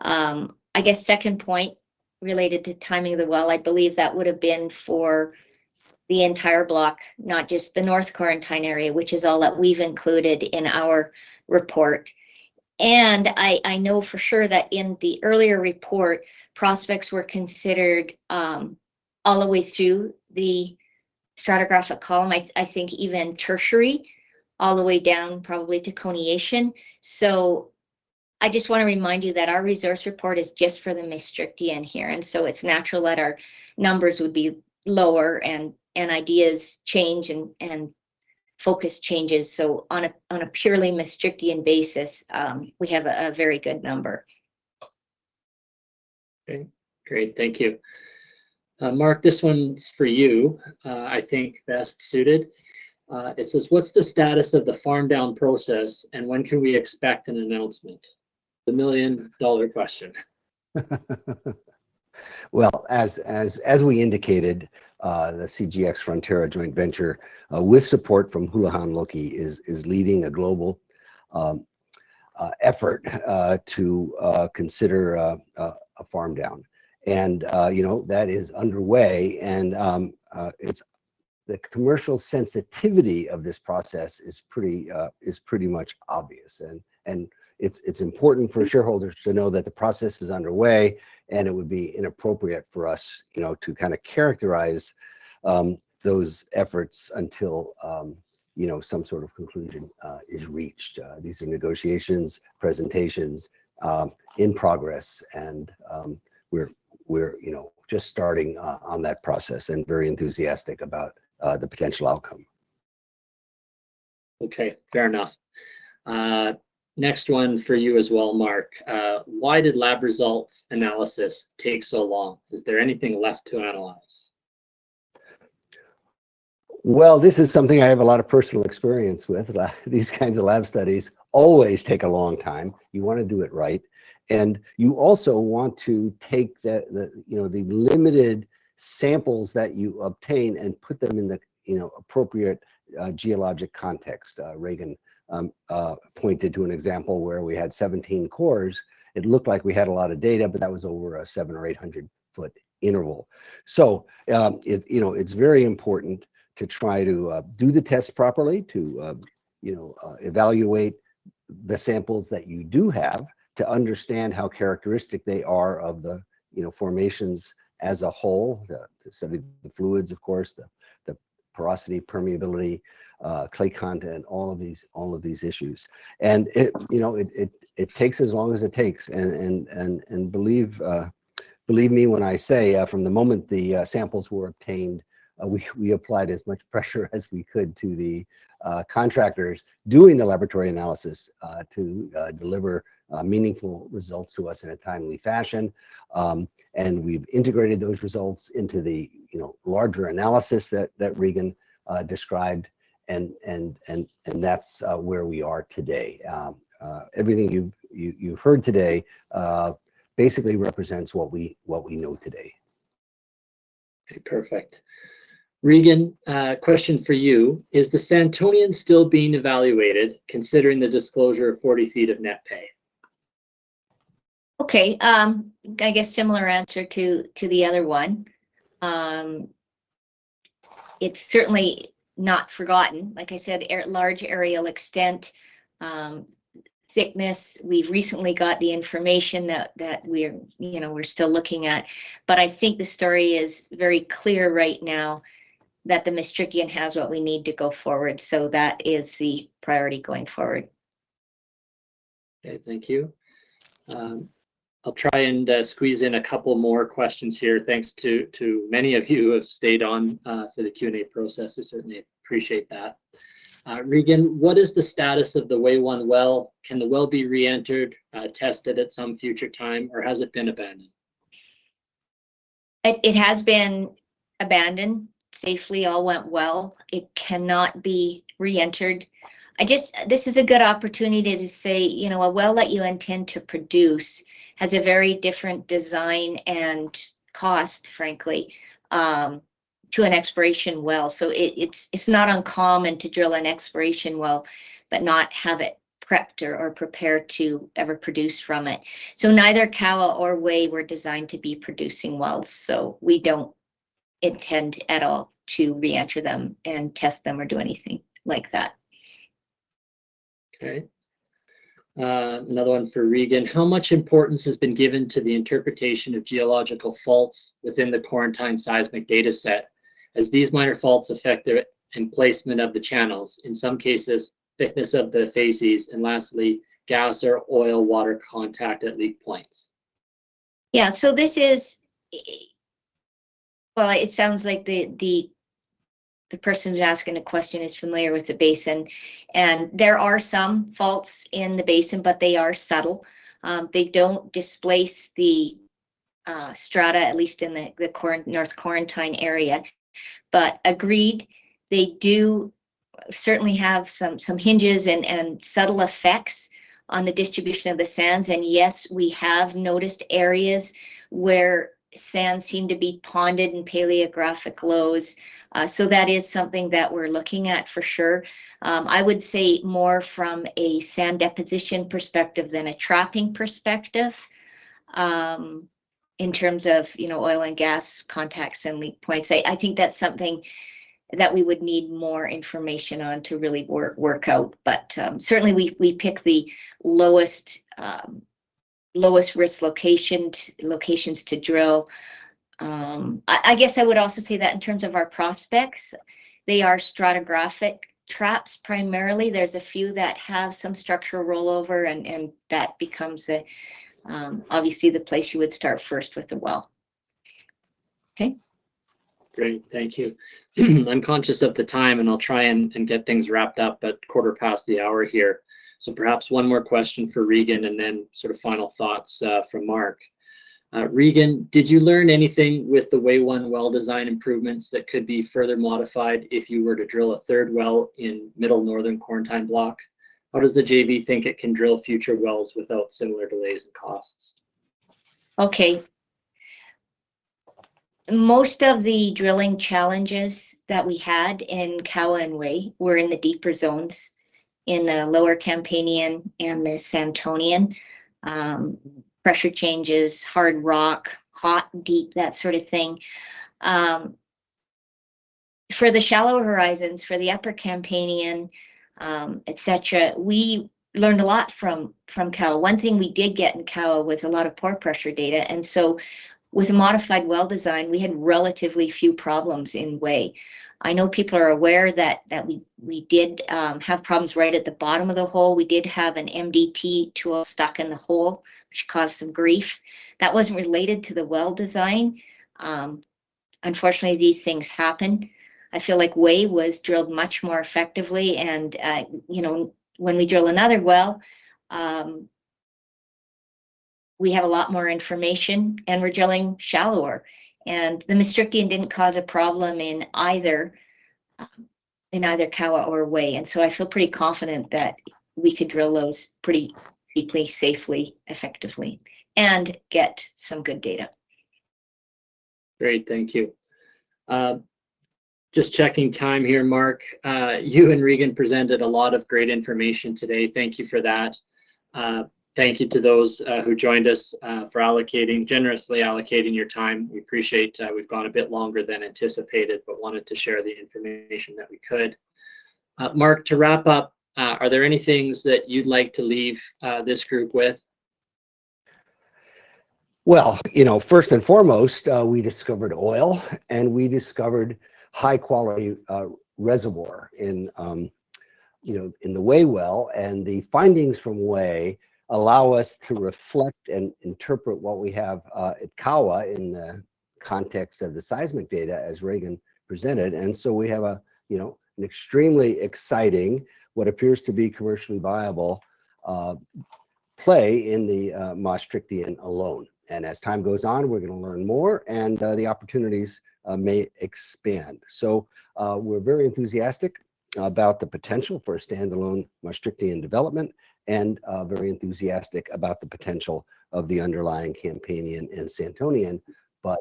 I guess second point related to timing of the well, I believe that would've been for the entire block, not just the North Corentyne area, which is all that we've included in our report. And I know for sure that in the earlier report, prospects were considered, all the way through the stratigraphic column, I think even Tertiary, all the way down probably to Coniacian. So I just wanna remind you that our resource report is just for the Maastrichtian here, and so it's natural that our numbers would be lower, and ideas change and focus changes. So on a purely Maastrichtian basis, we have a very good number. Okay, great, thank you. Mark, this one's for you, I think best suited. It says, "What's the status of the farm-down process, and when can we expect an announcement?" The million-dollar question. Well, as we indicated, the CGX Frontera joint venture, with support from Houlihan Lokey, is leading a global effort to consider a farm down. You know, that is underway, and it's. The commercial sensitivity of this process is pretty much obvious. And it's important for shareholders to know that the process is underway, and it would be inappropriate for us, you know, to kind of characterize those efforts until you know, some sort of conclusion is reached. These are negotiations, presentations in progress, and we're, you know, just starting on that process and very enthusiastic about the potential outcome. Okay, fair enough. Next one for you as well, Mark. Why did lab results analysis take so long? Is there anything left to analyze? Well, this is something I have a lot of personal experience with. These kinds of lab studies always take a long time. You wanna do it right, and you also want to take the you know, the limited samples that you obtain and put them in the you know, appropriate geologic context. Regan pointed to an example where we had 17 cores. It looked like we had a lot of data, but that was over a 700- or 800-foot interval. So, you know, it's very important to try to do the test properly, to you know, evaluate the samples that you do have, to understand how characteristic they are of the you know, formations as a whole. To study the fluids, of course, the porosity, permeability, clay content, all of these, all of these issues. It, you know, takes as long as it takes. And believe me when I say, from the moment the samples were obtained, we applied as much pressure as we could to the contractors doing the laboratory analysis to deliver meaningful results to us in a timely fashion. And we've integrated those results into the, you know, larger analysis that Regan described, and that's where we are today. Everything you've heard today basically represents what we know today. Okay, perfect. Regan, a question for you: Is the Santonian still being evaluated, considering the disclosure of 40 ft of net pay? Okay, I guess similar answer to the other one. It's certainly not forgotten. Like I said, a large areal extent, thickness. We've recently got the information that we're, you know, we're still looking at, but I think the story is very clear right now that the Maastrichtian has what we need to go forward, so that is the priority going forward. Okay, thank you. I'll try and squeeze in a couple more questions here. Thanks to many of you who have stayed on for the Q&A process. I certainly appreciate that. Regan, what is the status of the Wei-1 well? Can the well be re-entered, tested at some future time, or has it been abandoned? It has been abandoned safely, all went well. It cannot be re-entered. This is a good opportunity to say, you know, a well that you intend to produce has a very different design and cost, frankly, to an exploration well. So it's not uncommon to drill an exploration well, but not have it prepped or prepared to ever produce from it. So neither Kawa or Wei were designed to be producing wells, so we don't intend at all to reenter them and test them, or do anything like that. Okay. Another one for Regan: How much importance has been given to the interpretation of geological faults within the Corentyne seismic data set, as these minor faults affect the... in placement of the channels, in some cases, thickness of the facies, and lastly, gas or oil water contact at leak points? Yeah, so this is... Well, it sounds like the person who's asking the question is familiar with the basin, and there are some faults in the basin, but they are subtle. They don't displace the strata, at least in the North Corentyne area. But agreed, they do certainly have some hinges and subtle effects on the distribution of the sands. And yes, we have noticed areas where sands seem to be ponded in paleogeographic lows. So that is something that we're looking at for sure. I would say more from a sand deposition perspective than a trapping perspective, in terms of, you know, oil and gas contacts and leak points. I think that's something that we would need more information on to really work out, but certainly we pick the lowest risk locations to drill. I guess I would also say that in terms of our prospects, they are stratigraphic traps primarily. There's a few that have some structural rollover, and that becomes obviously the place you would start first with the well. Okay? Great, thank you. I'm conscious of the time, and I'll try and get things wrapped up at quarter past the hour here. So perhaps one more question for Regan, and then sort of final thoughts from Mark. Regan, did you learn anything with the Wei-1 well design improvements that could be further modified if you were to drill a third well in middle northern Corentyne Block? How does the JV think it can drill future wells without similar delays and costs? Okay. Most of the drilling challenges that we had in Kawa and Wei were in the deeper zones, in the lower Campanian and the Santonian. Pressure changes, hard rock, hot, deep, that sort of thing. For the shallower horizons, for the upper Campanian, et cetera, we learned a lot from Kawa. One thing we did get in Kawa was a lot of pore pressure data, and so with a modified well design, we had relatively few problems in Wei. I know people are aware that we did have problems right at the bottom of the hole. We did have an MDT tool stuck in the hole, which caused some grief. That wasn't related to the well design. Unfortunately, these things happen. I feel like Wei was drilled much more effectively and, you know, when we drill another well, we have a lot more information, and we're drilling shallower. And the Maastrichtian didn't cause a problem in either Kawa or Wei, and so I feel pretty confident that we could drill those pretty deeply, safely, effectively, and get some good data. Great, thank you. Just checking time here, Mark. You and Regan presented a lot of great information today. Thank you for that. Thank you to those who joined us for allocating, generously allocating your time. We appreciate. We've gone a bit longer than anticipated, but wanted to share the information that we could. Mark, to wrap up, are there any things that you'd like to leave this group with? Well, you know, first and foremost, we discovered oil, and we discovered high-quality reservoir in, you know, in the Wei-1 well. And the findings from Wei-1 allow us to reflect and interpret what we have at Kawa-1 in the context of the seismic data, as Regan presented. And so we have a, you know, an extremely exciting, what appears to be commercially viable play in the Maastrichtian alone. And as time goes on, we're gonna learn more, and the opportunities may expand. So, we're very enthusiastic about the potential for a standalone Maastrichtian development and very enthusiastic about the potential of the underlying Campanian and Santonian. But,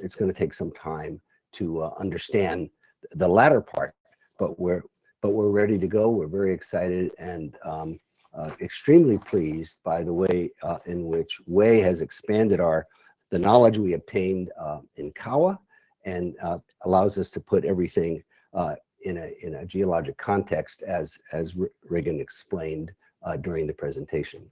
it's gonna take some time to understand the latter part, but we're, but we're ready to go. We're very excited and extremely pleased by the way in which Wei has expanded the knowledge we obtained in Kawa and allows us to put everything in a geologic context, as Regan explained during the presentation.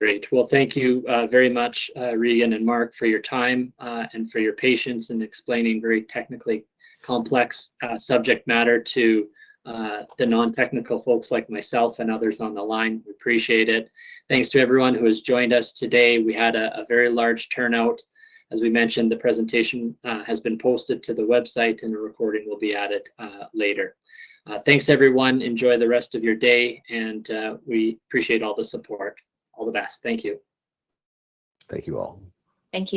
Great. Well, thank you, very much, Regan and Mark, for your time, and for your patience in explaining very technically complex, subject matter to, the non-technical folks like myself and others on the line. We appreciate it. Thanks to everyone who has joined us today. We had a very large turnout. As we mentioned, the presentation, has been posted to the website, and a recording will be added, later. Thanks, everyone. Enjoy the rest of your day and, we appreciate all the support. All the best. Thank you. Thank you, all. Thank you.